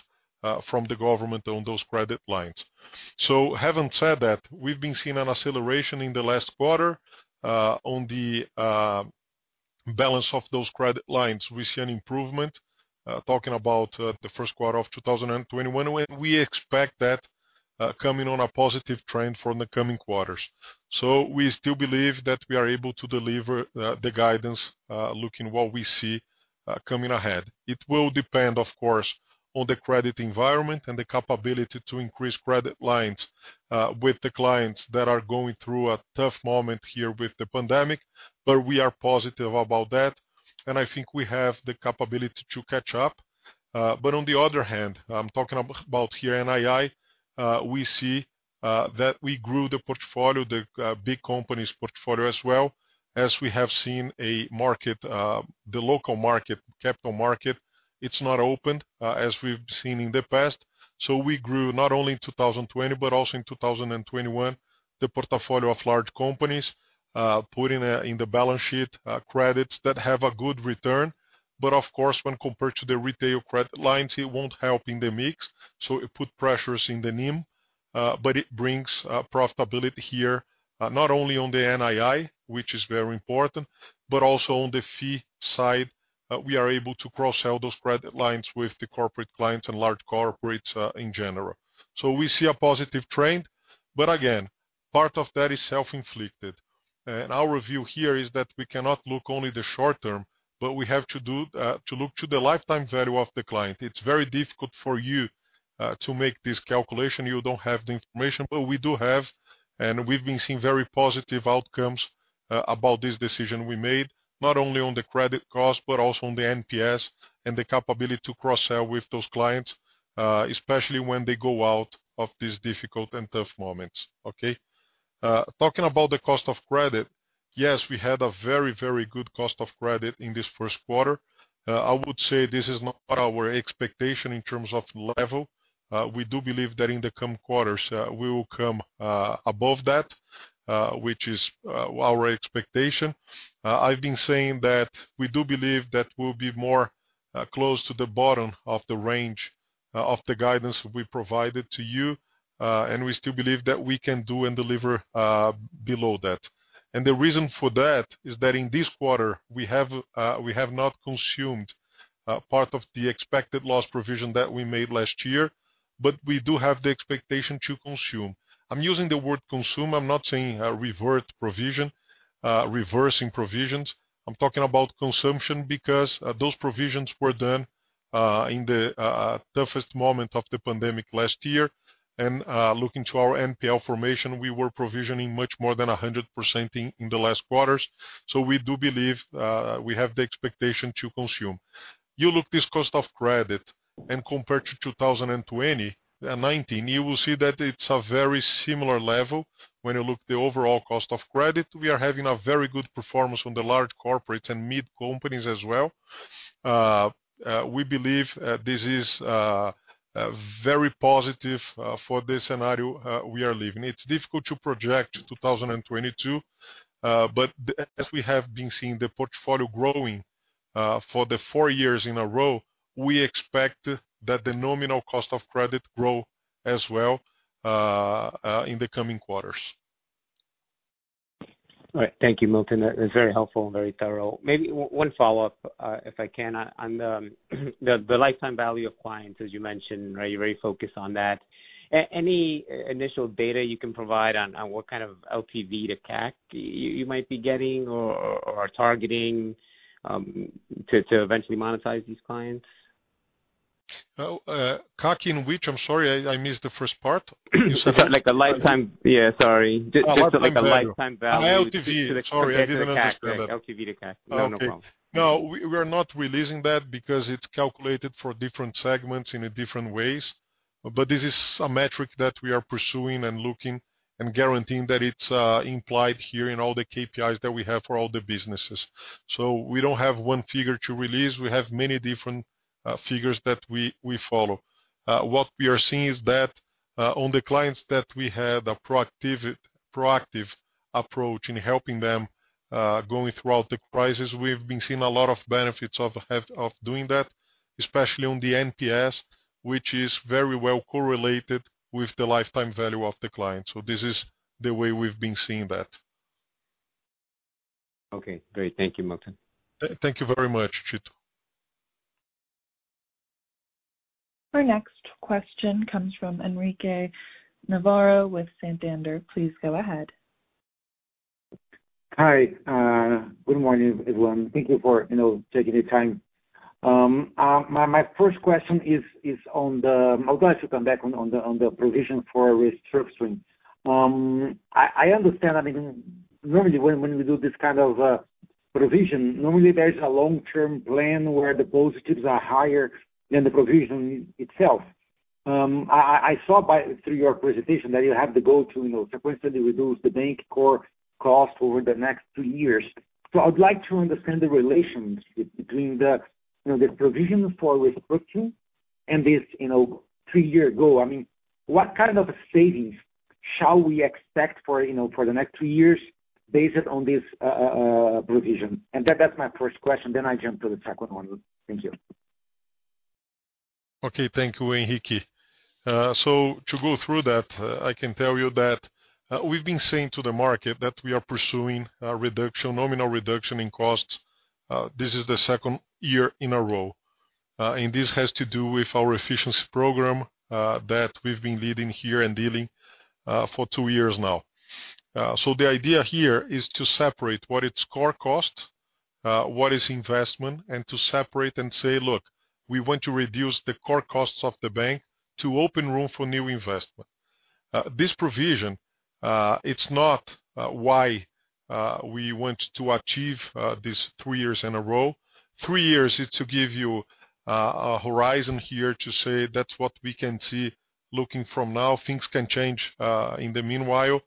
Speaker 2: from the government on those credit lines. Having said that, we've been seeing an acceleration in the last quarter on the balance of those credit lines. We see an improvement, talking about the first quarter of 2021, and we expect that coming on a positive trend for the coming quarters. We still believe that we are able to deliver the guidance, looking what we see coming ahead. It will depend, of course, on the credit environment and the capability to increase credit lines with the clients that are going through a tough moment here with the pandemic. We are positive about that, and I think we have the capability to catch up. On the other hand, I'm talking about here NII, we see that we grew the portfolio, the large companies portfolio as well, as we have seen a market, the local market, capital market, it's not open as we have seen in the past. We grew not only in 2020, but also in 2021, the portfolio of large companies, putting in the balance sheet credits that have a good return. Of course, when compared to the retail credit lines, it won't help in the mix. It put pressures in the NIM, but it brings profitability here, not only on the NII, which is very important, but also on the fee side. We are able to cross-sell those credit lines with the corporate clients and large corporates in general. We see a positive trend. Again, part of that is self-inflicted. Our view here is that we cannot look only the short term, but we have to look to the lifetime value of the client. It's very difficult for you to make this calculation. You don't have the information, but we do have, and we've been seeing very positive outcomes about this decision we made, not only on the credit cost, but also on the NPS and the capability to cross-sell with those clients, especially when they go out of these difficult and tough moments. Talking about the cost of credit, yes, we had a very good cost of credit in this first quarter. I would say this is not our expectation in terms of level. We do believe that in the coming quarters, we will come above that, which is our expectation. I've been saying that we do believe that we'll be more close to the bottom of the range of the guidance we provided to you, and we still believe that we can do and deliver below that. The reason for that is that in this quarter, we have not consumed part of the expected loss provision that we made last year, but we do have the expectation to consume. I'm using the word consume. I'm not saying revert provision, reversing provisions. I'm talking about consumption because those provisions were done in the toughest moment of the pandemic last year. Looking to our NPL formation, we were provisioning much more than 100% in the last quarters. We do believe we have the expectation to consume. You look this cost of credit and compare to 2020 and 2019, you will see that it's a very similar level when you look the overall cost of credit. We are having a very good performance on the large corporates and mid companies as well. We believe this is very positive for the scenario we are living. It's difficult to project 2022, but as we have been seeing the portfolio growing for the four years in a row, we expect that the nominal cost of credit grow as well in the coming quarters.
Speaker 4: All right. Thank you, Milton. That is very helpful and very thorough. Maybe one follow-up, if I can, on the lifetime value of clients, as you mentioned, you're very focused on that. Any initial data you can provide on what kind of LTV to CAC you might be getting or are targeting to eventually monetize these clients?
Speaker 2: CAC in which? I'm sorry, I missed the first part.
Speaker 4: Like, yeah, sorry.
Speaker 2: Oh, lifetime value.
Speaker 4: Just like the lifetime value.
Speaker 2: Oh, LTV. Sorry, I didn't understand that.
Speaker 4: to the CAC, LTV to CAC. No problem.
Speaker 2: No, we are not releasing that because it's calculated for different segments in different ways. This is a metric that we are pursuing and looking and guaranteeing that it's implied here in all the KPIs that we have for all the businesses. We don't have one figure to release. We have many different figures that we follow. What we are seeing is that on the clients that we had a proactive approach in helping them going throughout the crisis, we've been seeing a lot of benefits of doing that, especially on the NPS, which is very well correlated with the lifetime value of the client. This is the way we've been seeing that.
Speaker 4: Okay, great. Thank you, Milton.
Speaker 2: Thank you very much, Tito Labarta.
Speaker 1: Our next question comes from Henrique Navarro with Santander. Please go ahead.
Speaker 5: Hi, good morning, everyone. Thank you for taking the time. My first question is on I would like to come back on the provision for restructuring. I understand that even normally when we do this kind of provision, normally there is a long-term plan where the positives are higher than the provision itself. I saw by through your presentation that you have the goal to sequentially reduce the bank core cost over the next two years. I would like to understand the relationship between the provision for restructuring and this three-year goal. What kind of savings shall we expect for the next two years based on this provision? That's my first question, then I jump to the second one. Thank you.
Speaker 2: Okay. Thank you, Henrique. To go through that, I can tell you that we've been saying to the market that we are pursuing a nominal reduction in costs. This is the second year in a row. This has to do with our efficiency program, that we've been leading here and dealing for two years now. The idea here is to separate what is core cost, what is investment, and to separate and say, look, we want to reduce the core costs of the bank to open room for new investment. This projection, it's not why we want to achieve this three years in a row. Three years is to give you a horizon here to say that's what we can see looking from now. Things can change in the meanwhile.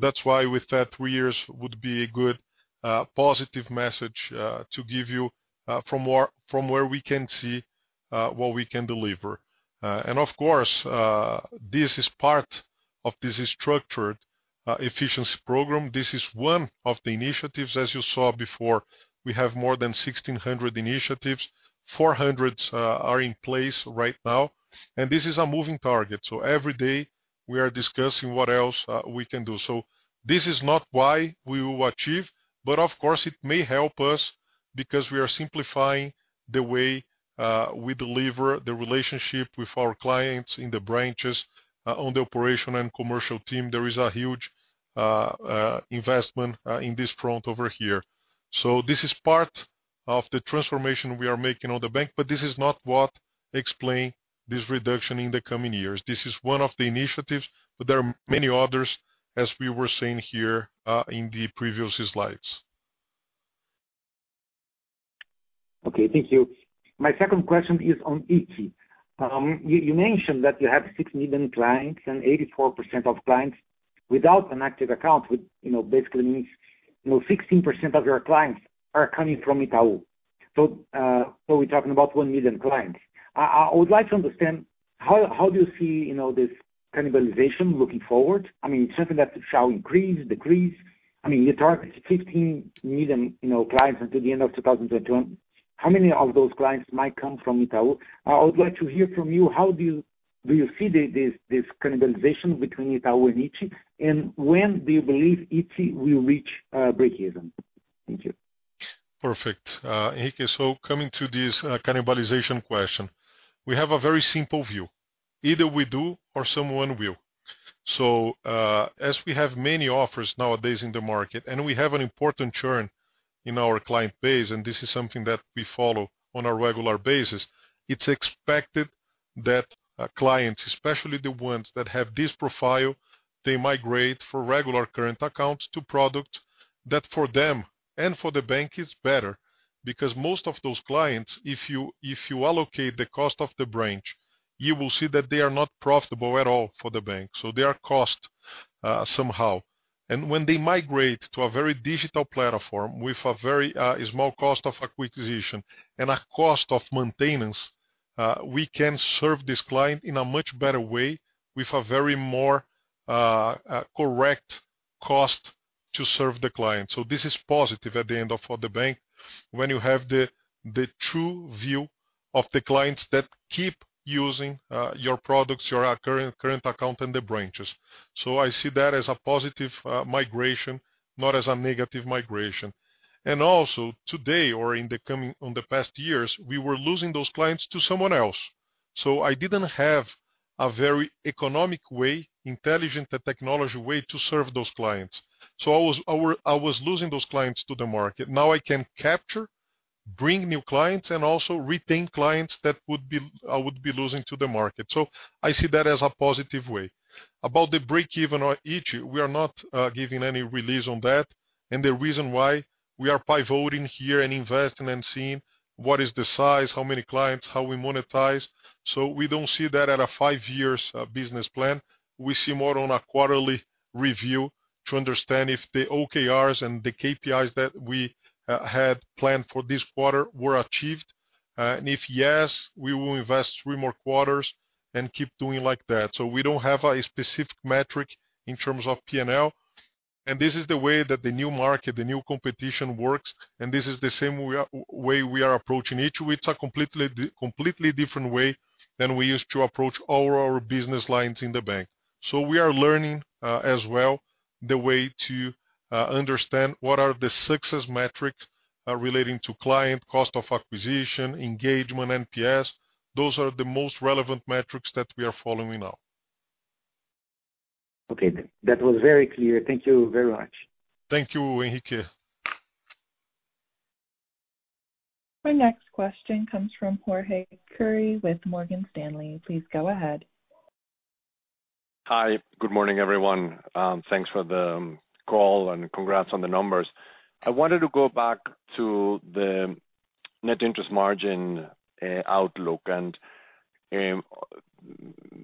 Speaker 2: That's why with that three years would be a good positive message to give you from where we can see what we can deliver. Of course, this is part of this structured efficiency program. This is one of the initiatives. As you saw before, we have more than 1,600 initiatives, 400 are in place right now. This is a moving target. Every day we are discussing what else we can do. This is not why we will achieve, but of course, it may help us because we are simplifying the way we deliver the relationship with our clients in the branches. On the operation and commercial team, there is a huge investment in this front over here. This is part of the transformation we are making on the bank, but this is not what explain this reduction in the coming years. This is one of the initiatives, but there are many others as we were saying here in the previous slides.
Speaker 5: Okay, thank you. My second question is on iti. You mentioned that you have 6 million clients and 84% of clients without an active account, which basically means 16% of your clients are coming from Itaú. We're talking about 1 million clients. I would like to understand how do you see this cannibalization looking forward? Something that shall increase, decrease? You target 15 million clients until the end of 2022. How many of those clients might come from Itaú? I would like to hear from you how do you see this cannibalization between Itaú and iti, and when do you believe iti will reach break even? Thank you.
Speaker 2: Perfect. Henrique, coming to this cannibalization question. We have a very simple view. Either we do or someone will. As we have many offers nowadays in the market, and we have an important churn in our client base, and this is something that we follow on a regular basis, it's expected that clients, especially the ones that have this profile, they migrate from regular current accounts to product that for them and for the bank is better. Because most of those clients, if you allocate the cost of the branch, you will see that they are not profitable at all for the bank. They are cost somehow. When they migrate to a very digital platform with a very small cost of acquisition and a cost of maintenance, we can serve this client in a much better way with a very more correct cost to serve the client. This is positive at the end for the bank when you have the true view of the clients that keep using your products, your current account and the branches. I see that as a positive migration, not as a negative migration. Also today, or in the past years, we were losing those clients to someone else. I didn't have a very economic way, intelligent technology way to serve those clients. I was losing those clients to the market. Now I can capture, bring new clients, and also retain clients that I would be losing to the market. I see that as a positive way. About the breakeven on iti, we are not giving any release on that. The reason why, we are pivoting here and investing and seeing what is the size, how many clients, how we monetize. We don't see that at a five years business plan. We see more on a quarterly review to understand if the OKRs and the KPIs that we had planned for this quarter were achieved. If yes, we will invest three more quarters and keep doing like that. We don't have a specific metric in terms of P&L. This is the way that the new market, the new competition works, and this is the same way we are approaching each. It's a completely different way than we used to approach all our business lines in the bank. We are learning, as well, the way to understand what are the success metrics relating to client cost of acquisition, engagement, NPS. Those are the most relevant metrics that we are following now.
Speaker 5: Okay. That was very clear. Thank you very much.
Speaker 2: Thank you, Henrique.
Speaker 1: Our next question comes from Jorge Kuri with Morgan Stanley. Please go ahead.
Speaker 6: Hi. Good morning, everyone. Thanks for the call and congrats on the numbers. I wanted to go back to the net interest margin outlook, and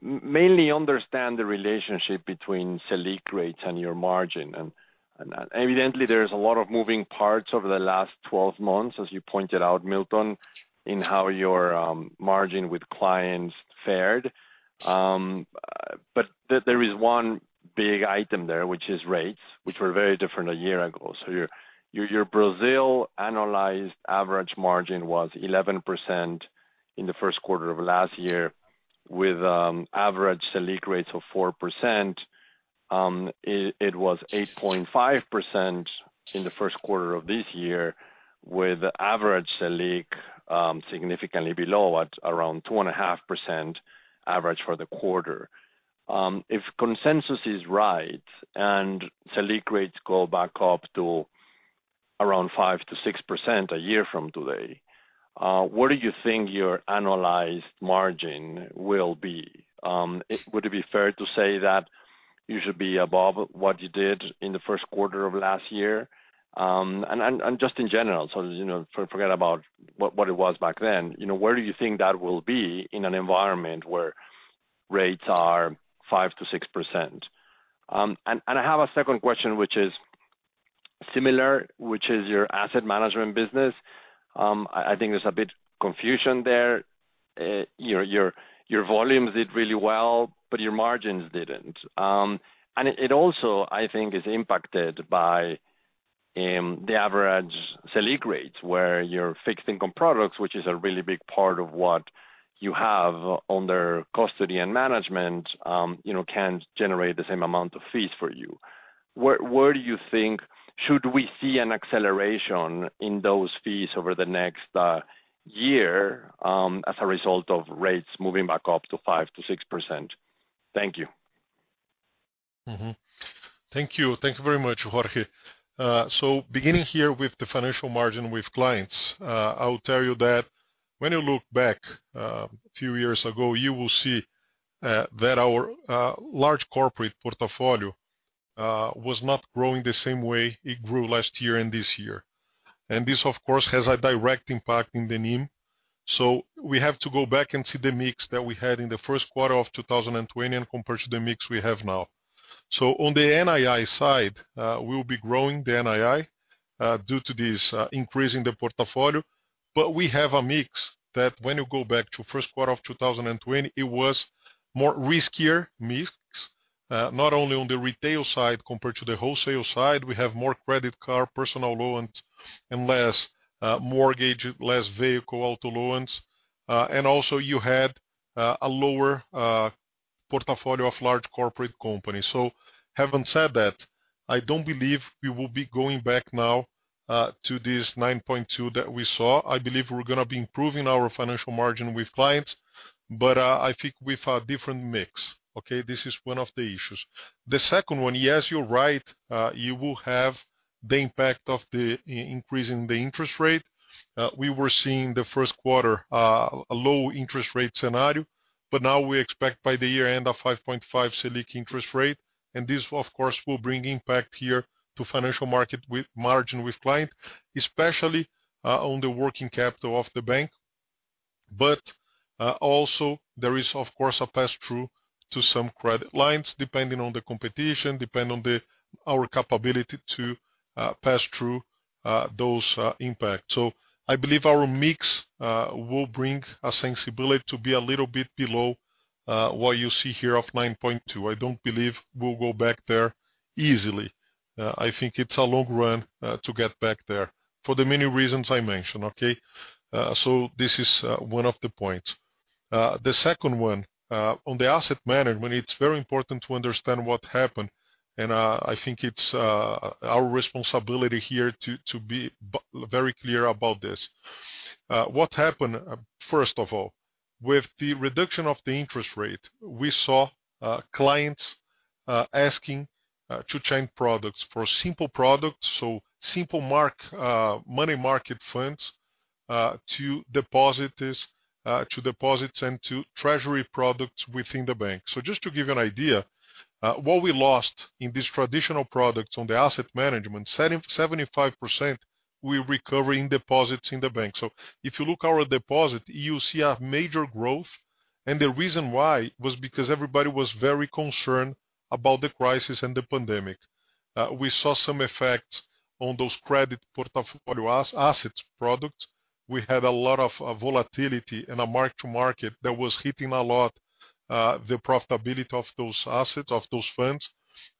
Speaker 6: mainly understand the relationship between Selic rates and your margin. Evidently, there's a lot of moving parts over the last 12 months, as you pointed out, Milton, in how your margin with clients fared. There is one big item there, which is rates, which were very different a year ago. Your Brazil annualized average margin was 11% in the first quarter of last year with average Selic rates of 4%. It was 8.5% in the first quarter of this year, with average Selic significantly below at around 2.5% average for the quarter. If consensus is right and Selic rates go back up to around 5%-6% a year from today, where do you think your annualized margin will be? Would it be fair to say that you should be above what you did in the first quarter of last year? Just in general, so forget about what it was back then. Where do you think that will be in an environment where rates are 5%-6%? I have a second question, which is similar, which is your asset management business. I think there's a bit confusion there. Your volume did really well, but your margins didn't. It also, I think, is impacted by the average Selic rates, where your fixed income products, which is a really big part of what you have under custody and management can't generate the same amount of fees for you. Where do you think should we see an acceleration in those fees over the next year as a result of rates moving back up to 5%-6%? Thank you.
Speaker 2: Thank you. Thank you very much, Jorge. Beginning here with the financial margin with clients, I will tell you that when you look back a few years ago, you will see that our large corporate portfolio was not growing the same way it grew last year and this year. This, of course, has a direct impact in the NIM. We have to go back and see the mix that we had in the first quarter of 2020 and compare to the mix we have now. On the NII side, we'll be growing the NII due to this increase in the portfolio. We have a mix that when you go back to first quarter of 2020, it was more riskier mix, not only on the retail side compared to the wholesale side. We have more credit card, personal loans, and less mortgage, less vehicle auto loans. Also you had a lower portfolio of large corporate companies. Having said that, I don't believe we will be going back now to this 9.2 that we saw. I believe we're going to be improving our financial margin with clients, but I think with a different mix. Okay. This is one of the issues. The second one, yes, you're right. You will have the impact of the increase in the interest rate. We were seeing the first quarter a low interest rate scenario, but now we expect by the year end a 5.5 Selic interest rate. This, of course, will bring impact here to financial market with margin with client, especially on the working capital of the bank. Also there is, of course, a passthrough to some credit lines depending on the competition, depending on our capability to pass through those impacts. I believe our mix will bring a sensibility to be a little bit below what you see here of 9.2. I don't believe we'll go back there easily. I think it's a long run to get back there for the many reasons I mentioned. Okay? This is one of the points. The second one, on the asset management, it's very important to understand what happened, and I think it's our responsibility here to be very clear about this. What happened, first of all, with the reduction of the interest rate, we saw clients asking to change products. For simple products, so simple money market funds to deposits and to treasury products within the bank. Just to give you an idea, what we lost in these traditional products on the asset management, 75%, we recover in deposits in the bank. If you look our deposit, you see a major growth and the reason why was because everybody was very concerned about the crisis and the pandemic. We saw some effects on those credit portfolio assets products. We had a lot of volatility and a mark to market that was hitting a lot, the profitability of those assets, of those funds.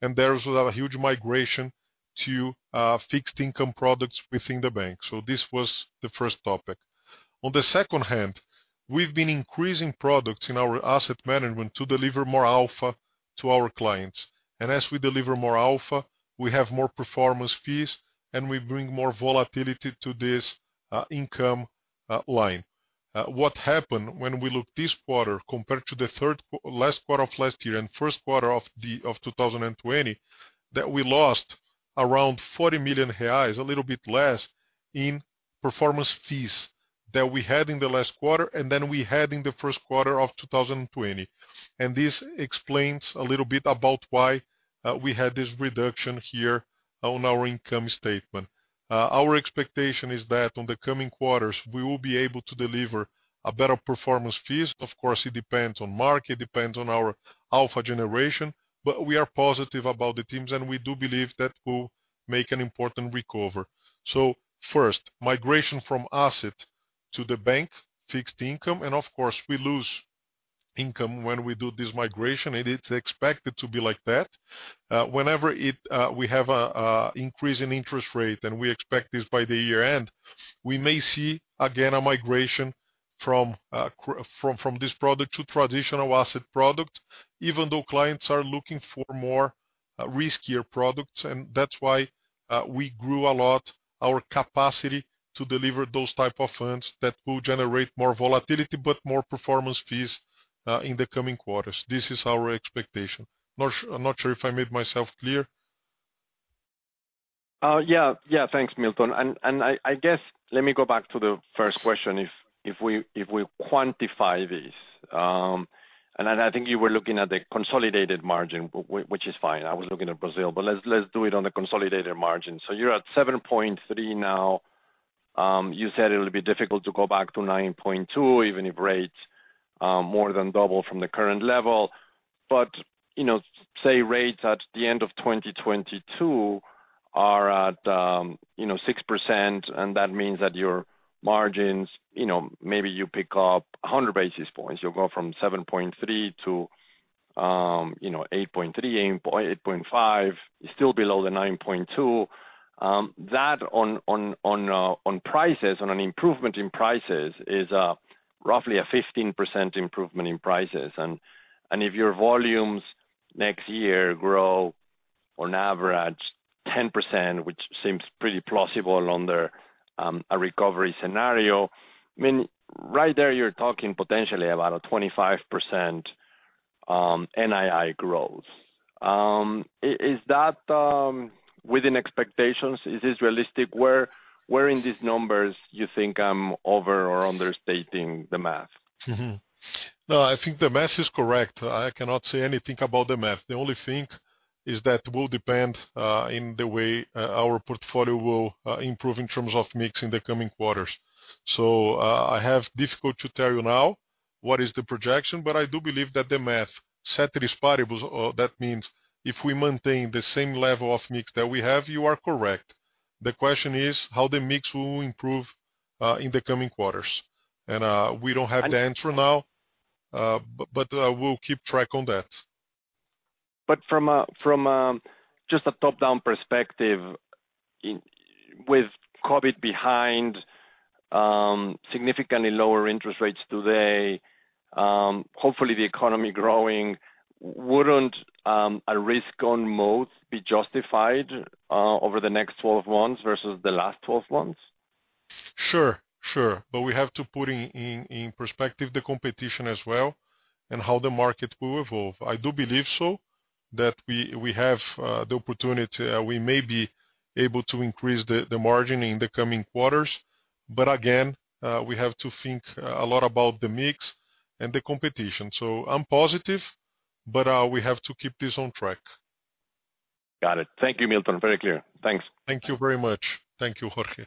Speaker 2: There was a huge migration to fixed income products within the bank. This was the first topic. On the second hand, we've been increasing products in our asset management to deliver more alpha to our clients. As we deliver more alpha, we have more performance fees, and we bring more volatility to this income line. What happened when we look this quarter compared to the last quarter of last year and first quarter of 2020, that we lost around 40 million reais, a little bit less, in performance fees that we had in the last quarter and than we had in the first quarter of 2020. This explains a little bit about why we had this reduction here on our income statement. Our expectation is that on the coming quarters, we will be able to deliver a better performance fees. Of course, it depends on market, it depends on our alpha generation, but we are positive about the teams, and we do believe that we'll make an important recover. First, migration from asset to the bank, fixed income, and of course, we lose income when we do this migration, and it's expected to be like that. Whenever we have an increase in interest rate, and we expect this by the year-end, we may see again a migration from this product to traditional asset product, even though clients are looking for more riskier products. That's why we grew a lot our capacity to deliver those type of funds that will generate more volatility, but more performance fees, in the coming quarters. This is our expectation. I'm not sure if I made myself clear.
Speaker 6: Yeah. Thanks, Milton Maluhy Filho. I guess, let me go back to the first question, if we quantify this. I think you were looking at the consolidated margin, which is fine. I was looking at Brazil. Let's do it on the consolidated margin. You're at 7.3 now. You said it'll be difficult to go back to 9.2, even if rates more than double from the current level. Say rates at the end of 2022 are at 6%, and that means that your margins, maybe you pick up 100 basis points. You'll go from 7.3-8.3, 8.5, still below the 9.2. That on prices, on an improvement in prices, is roughly a 15% improvement in prices. If your volumes next year grow on average 10%, which seems pretty plausible under a recovery scenario, right there you're talking potentially about a 25% NII growth. Is that within expectations? Is this realistic? Where in these numbers you think I'm over or understating the math?
Speaker 2: No, I think the math is correct. I cannot say anything about the math. The only thing is that will depend in the way our portfolio will improve in terms of mix in the coming quarters. I have difficulty to tell you now what is the projection, but I do believe that the math, ceteris paribus, that means if we maintain the same level of mix that we have, you are correct. The question is how the mix will improve in the coming quarters. We don't have the answer now, but we'll keep track on that.
Speaker 6: From just a top-down perspective, with COVID behind, significantly lower interest rates today, hopefully the economy growing, wouldn't a risk on mode be justified over the next 12 months versus the last 12 months?
Speaker 2: Sure. We have to put in perspective the competition as well and how the market will evolve. I do believe so, that we have the opportunity. We may be able to increase the margin in the coming quarters, but again, we have to think a lot about the mix and the competition. I'm positive, but we have to keep this on track.
Speaker 6: Got it. Thank you, Milton. Very clear. Thanks.
Speaker 2: Thank you very much. Thank you, Jorge.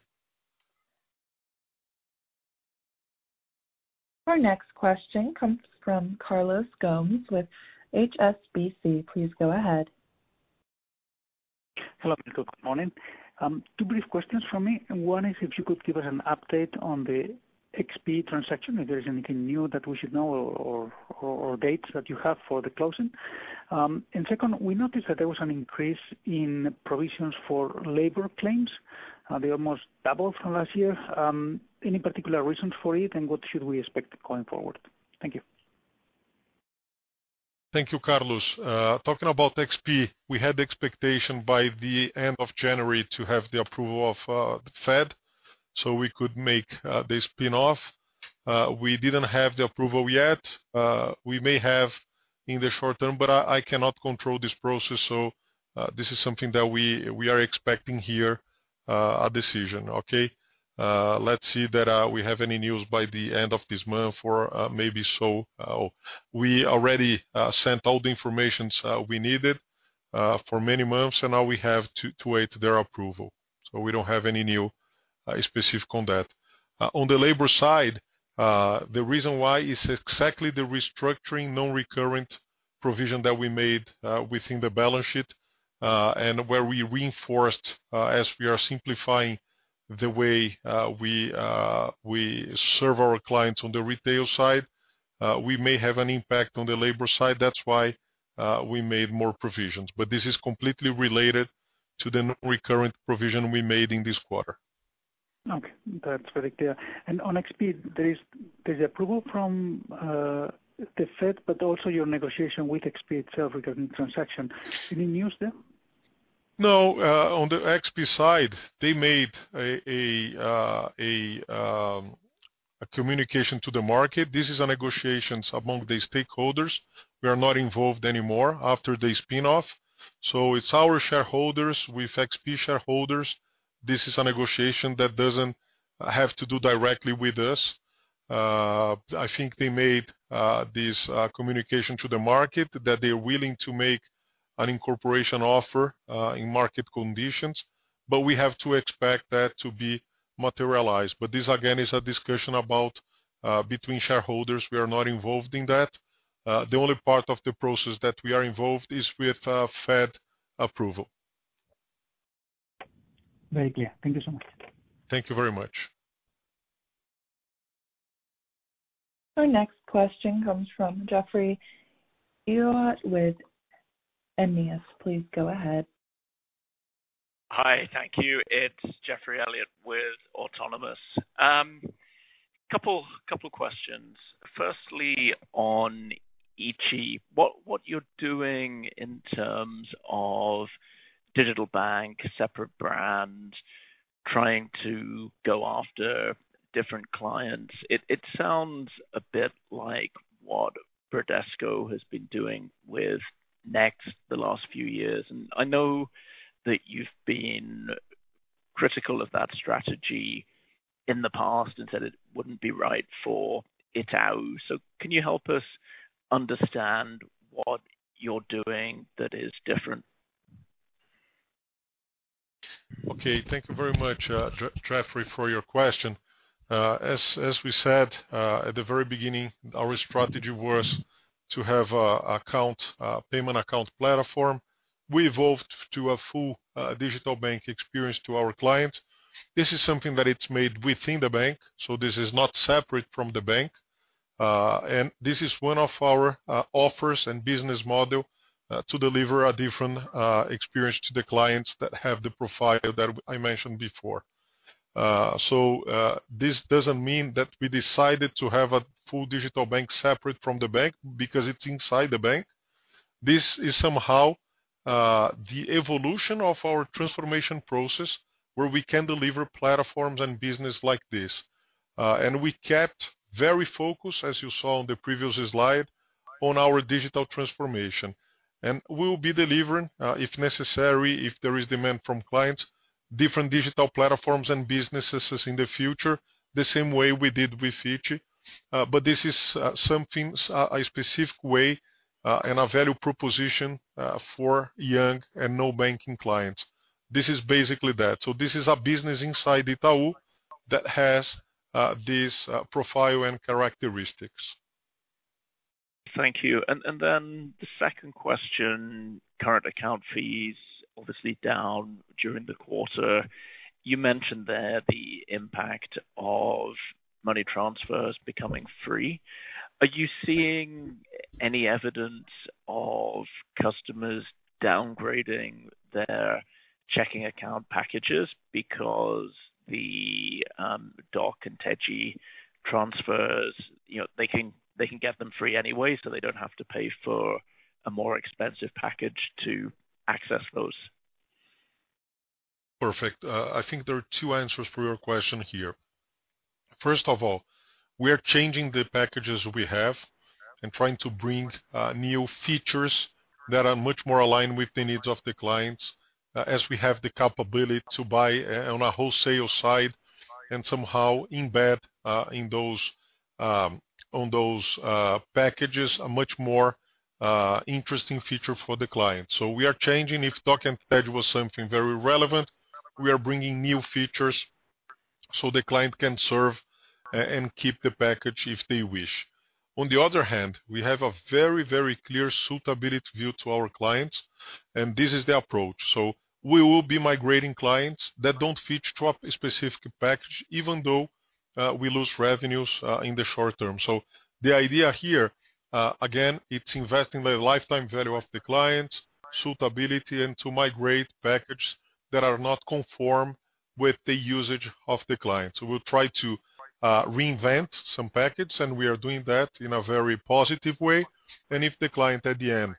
Speaker 1: Our next question comes from Carlos Gomez with HSBC. Please go ahead.
Speaker 7: Hello. Good morning. Two brief questions from me. One is if you could give us an update on the XP transaction, if there is anything new that we should know or dates that you have for the closing. Second, we noticed that there was an increase in provisions for labor claims. They almost doubled from last year. Any particular reason for it, and what should we expect going forward? Thank you.
Speaker 2: Thank you, Carlos. Talking about XP, we had the expectation by the end of January to have the approval of the Fed so we could make the spin-off. We didn't have the approval yet. We may have in the short term, but I cannot control this process. This is something that we are expecting here, a decision, okay? Let's see that we have any news by the end of this month, or maybe so. We already sent all the information we needed for many months, and now we have to wait their approval. We don't have any new specific on that. On the labor side, the reason why is exactly the restructuring non-recurrent provision that we made within the balance sheet, and where we reinforced as we are simplifying the way we serve our clients on the retail side. We may have an impact on the labor side. That's why we made more provisions. This is completely related to the non-recurrent provision we made in this quarter.
Speaker 7: Okay. That's very clear. On XP, there's the approval from the Fed, but also your negotiation with XP itself regarding transaction. Any news there?
Speaker 2: No, on the XP side, they made a communication to the market. This is a negotiation among the stakeholders. We are not involved anymore after the spin-off. It's our shareholders with XP shareholders. This is a negotiation that doesn't have to do directly with us. I think they made this communication to the market that they're willing to make an incorporation offer in market conditions, but we have to expect that to be materialized. This, again, is a discussion between shareholders. We are not involved in that. The only part of the process that we are involved is with Fed approval.
Speaker 7: Very clear. Thank you so much.
Speaker 2: Thank you very much.
Speaker 1: Our next question comes from Geoffrey Elliott with Autonomous. Please go ahead.
Speaker 8: Hi. Thank you. It's Geoffrey Elliott with Autonomous. Couple questions. Firstly, on iti, what you're doing in terms of digital bank, separate brand, trying to go after different clients. It sounds a bit like what Bradesco has been doing with next the last few years, and I know that you've been critical of that strategy in the past and said it wouldn't be right for Itaú. Can you help us understand what you're doing that is different?
Speaker 2: Okay. Thank you very much, Geoffrey, for your question. As we said at the very beginning, our strategy was to have a payment account platform. We evolved to a full digital bank experience to our clients. This is something that it's made within the bank, so this is not separate from the bank. This is one of our offers and business model to deliver a different experience to the clients that have the profile that I mentioned before. This doesn't mean that we decided to have a full digital bank separate from the bank because it's inside the bank. This is somehow the evolution of our transformation process where we can deliver platforms and business like this. We kept very focused, as you saw on the previous slide, on our digital transformation. We'll be delivering, if necessary, if there is demand from clients, different digital platforms and businesses in the future, the same way we did with iti. This is something, a specific way, and a value proposition for young and no banking clients. This is basically that. This is a business inside Itaú that has this profile and characteristics.
Speaker 8: Thank you. The second question, current account fees obviously down during the quarter. You mentioned there the impact of money transfers becoming free. Are you seeing any evidence of customers downgrading their checking account packages because the DOC and TED transfers, they can get them free anyway, so they don't have to pay for a more expensive package to access those?
Speaker 2: Perfect. I think there are two answers for your question here. First of all, we are changing the packages we have and trying to bring new features that are much more aligned with the needs of the clients as we have the capability to buy on a wholesale side and somehow embed on those packages, a much more interesting feature for the client. We are changing. If DOC and TED was something very relevant, we are bringing new features so the client can serve and keep the package if they wish. On the other hand, we have a very, very clear suitability view to our clients, and this is the approach. We will be migrating clients that don't fit to a specific package, even though we lose revenues in the short term. The idea here, again, it's investing the lifetime value of the clients, suitability, and to migrate package that are not conform with the usage of the client. We'll try to reinvent some package, and we are doing that in a very positive way. If the client at the end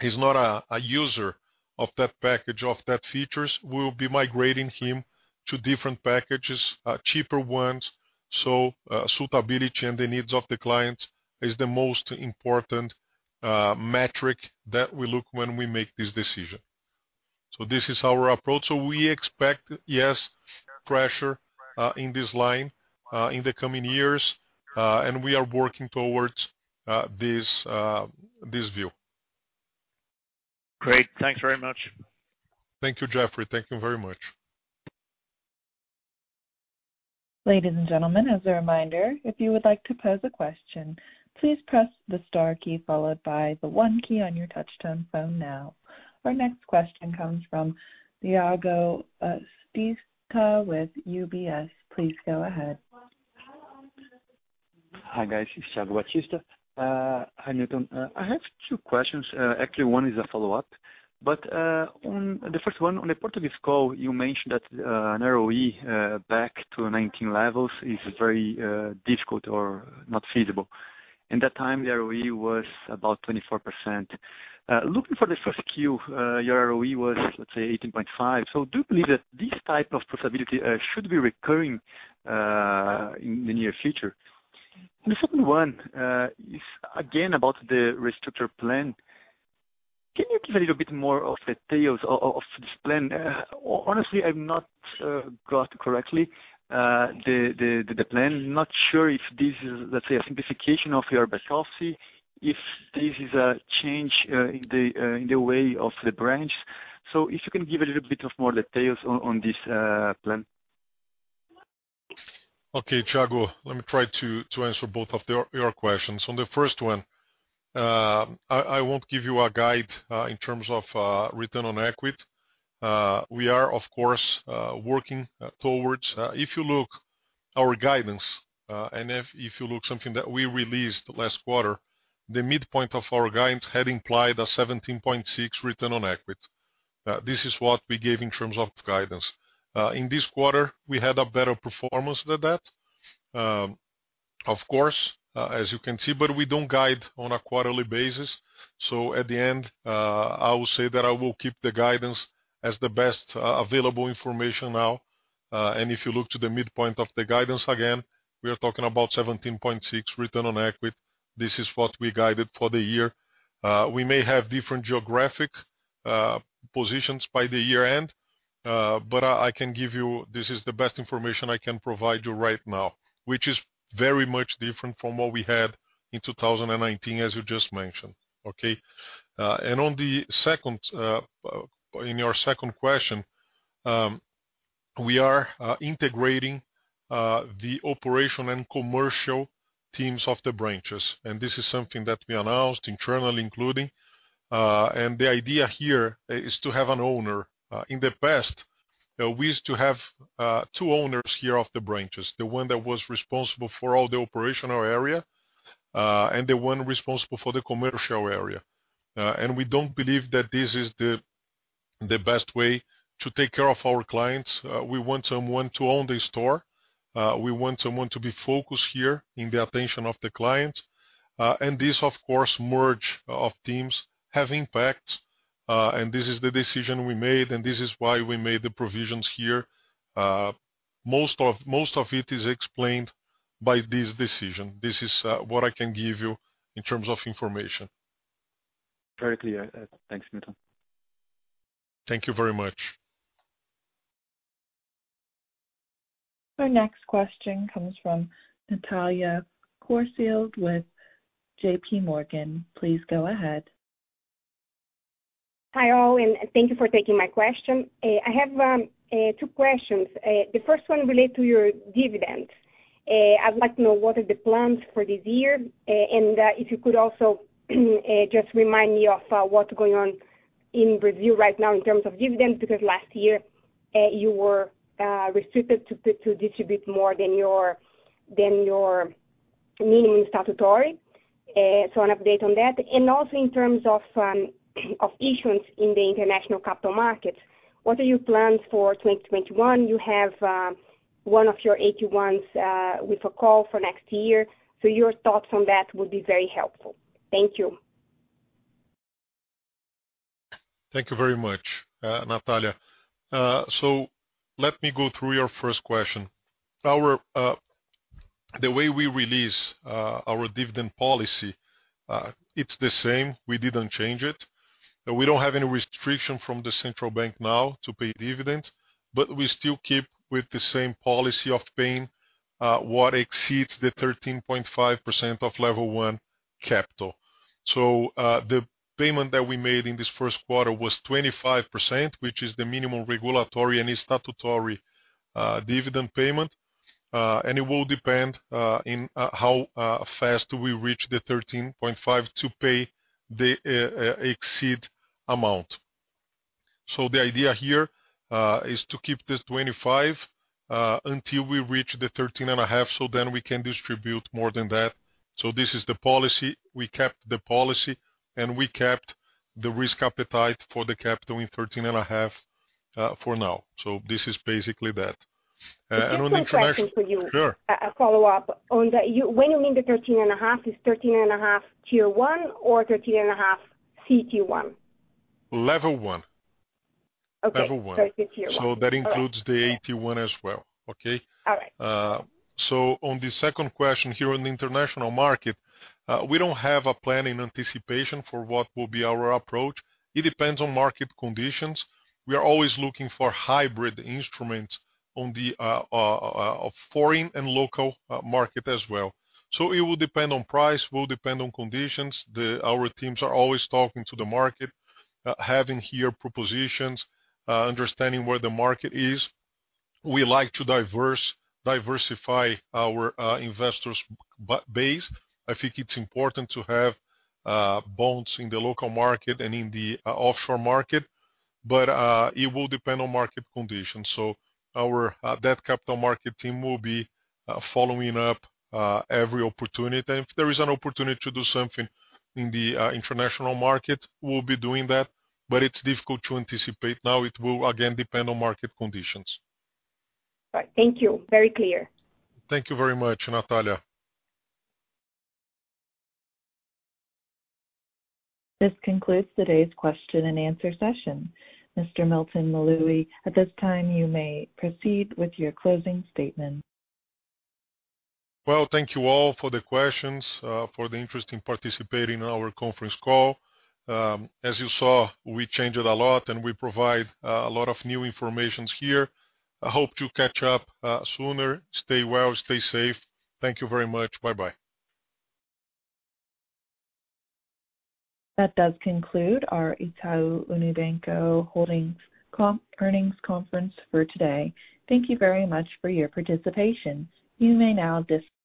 Speaker 2: is not a user of that package, of that features, we'll be migrating him to different packages, cheaper ones. Suitability and the needs of the client is the most important metric that we look when we make this decision. This is our approach. We expect, yes, pressure in this line, in the coming years. We are working towards this view.
Speaker 8: Great. Thanks very much.
Speaker 2: Thank you, Geoffrey. Thank you very much.
Speaker 1: Ladies and gentlemen, as a reminder, if you would like to pose a question, please press the star key followed by the one key on your touchtone phone now. Our next question comes from Thiago Batista with UBS. Please go ahead.
Speaker 9: Hi, guys, it's Thiago Batista. Hi, Milton. I have two questions. Actually, one is a follow-up. The first one, on the Portuguese call, you mentioned that an ROE back to 2019 levels is very difficult or not feasible. In that time, the ROE was about 24%. Looking for the first quarter, your ROE was, let's say, 18.5%. Do you believe that this type of possibility should be recurring in the near future? The second one is again about the restructure plan. Can you give a little bit more of the details of this plan? Honestly, I've not got correctly the plan. Not sure if this is, let's say, a simplification of your Basel III, if this is a change in the way of the branch. If you can give a little bit of more details on this plan.
Speaker 2: Okay, Thiago. Let me try to answer both of your questions. On the first one, I won't give you a guide, in terms of return on equity. We are, of course, working towards If you look our guidance, if you look something that we released last quarter, the midpoint of our guidance had implied a 17.6 return on equity. This is what we gave in terms of guidance. In this quarter, we had a better performance than that, of course, as you can see, We don't guide on a quarterly basis. At the end, I will say that I will keep the guidance as the best available information now. If you look to the midpoint of the guidance, again, we are talking about 17.6 return on equity. This is what we guided for the year. We may have different geographic positions by the year-end, but I can give you, this is the best information I can provide you right now, which is very much different from what we had in 2019, as you just mentioned. Okay? On your second question, we are integrating the operation and commercial teams of the branches, and this is something that we announced internally, including. The idea here is to have an owner. In the past, we used to have two owners here of the branches, the one that was responsible for all the operational area, and the one responsible for the commercial area. We don't believe that this is the best way to take care of our clients. We want someone to own the store. We want someone to be focused here in the attention of the client. This, of course, merge of teams have impacts. This is the decision we made, and this is why we made the provisions here. Most of it is explained by this decision. This is what I can give you in terms of information.
Speaker 9: Very clear. Thanks, Milton.
Speaker 2: Thank you very much.
Speaker 1: Our next question comes from Natalia Corfield with J.P. Morgan. Please go ahead.
Speaker 10: Hi, all, and thank you for taking my question. I have two questions. The first one relate to your dividend. I'd like to know what are the plans for this year, and if you could also just remind me of what's going on in review right now in terms of dividends, because last year you were restricted to distribute more than your minimum statutory. An update on that. Also in terms of issuance in the international capital markets, what are your plans for 2021? You have one of your AT1s with a call for next year. Your thoughts on that would be very helpful. Thank you.
Speaker 2: Thank you very much, Natalia. Let me go through your first question. The way we release our dividend policy, it's the same. We didn't change it. We don't have any restriction from the Central Bank now to pay dividends, but we still keep with the same policy of paying what exceeds the 13.5% of Level 1 Capital. The payment that we made in this first quarter was 25%, which is the minimum regulatory and statutory dividend payment. It will depend on how fast we reach the 13.5% to pay the exceed amount. The idea here is to keep this 25% until we reach the 13.5%, so then we can distribute more than that. This is the policy. We kept the policy, and we kept the risk appetite for the capital in 13.5% for now. This is basically that. On international-
Speaker 10: Just one question for you.
Speaker 2: Sure.
Speaker 10: A follow-up. When you mean the 13.5%, is 13.5% Tier 1 or 13.5% CET1?
Speaker 2: Level 1.
Speaker 10: Okay.
Speaker 2: Level 1.
Speaker 10: It's the Tier 1. All right.
Speaker 2: That includes the AT1 as well. Okay?
Speaker 10: All right.
Speaker 2: On the second question here on the international market, we don't have a plan in anticipation for what will be our approach. It depends on market conditions. We are always looking for hybrid instruments on the foreign and local market as well. It will depend on price, will depend on conditions. Our teams are always talking to the market, having here propositions, understanding where the market is. We like to diversify our investors base. I think it's important to have bonds in the local market and in the offshore market. It will depend on market conditions. Our debt capital market team will be following up every opportunity. If there is an opportunity to do something in the international market, we'll be doing that, but it's difficult to anticipate now. It will, again, depend on market conditions.
Speaker 10: Right. Thank you. Very clear.
Speaker 2: Thank you very much, Natalia.
Speaker 1: This concludes today's question and answer session. Mr. Milton Maluhy, at this time, you may proceed with your closing statement.
Speaker 2: Well, thank you all for the questions, for the interest in participating in our conference call. As you saw, we changed a lot, and we provide a lot of new information here. I hope to catch up sooner. Stay well, stay safe. Thank you very much. Bye-bye.
Speaker 1: That does conclude our Itaú Unibanco Holdings earnings conference for today. Thank you very much for your participation.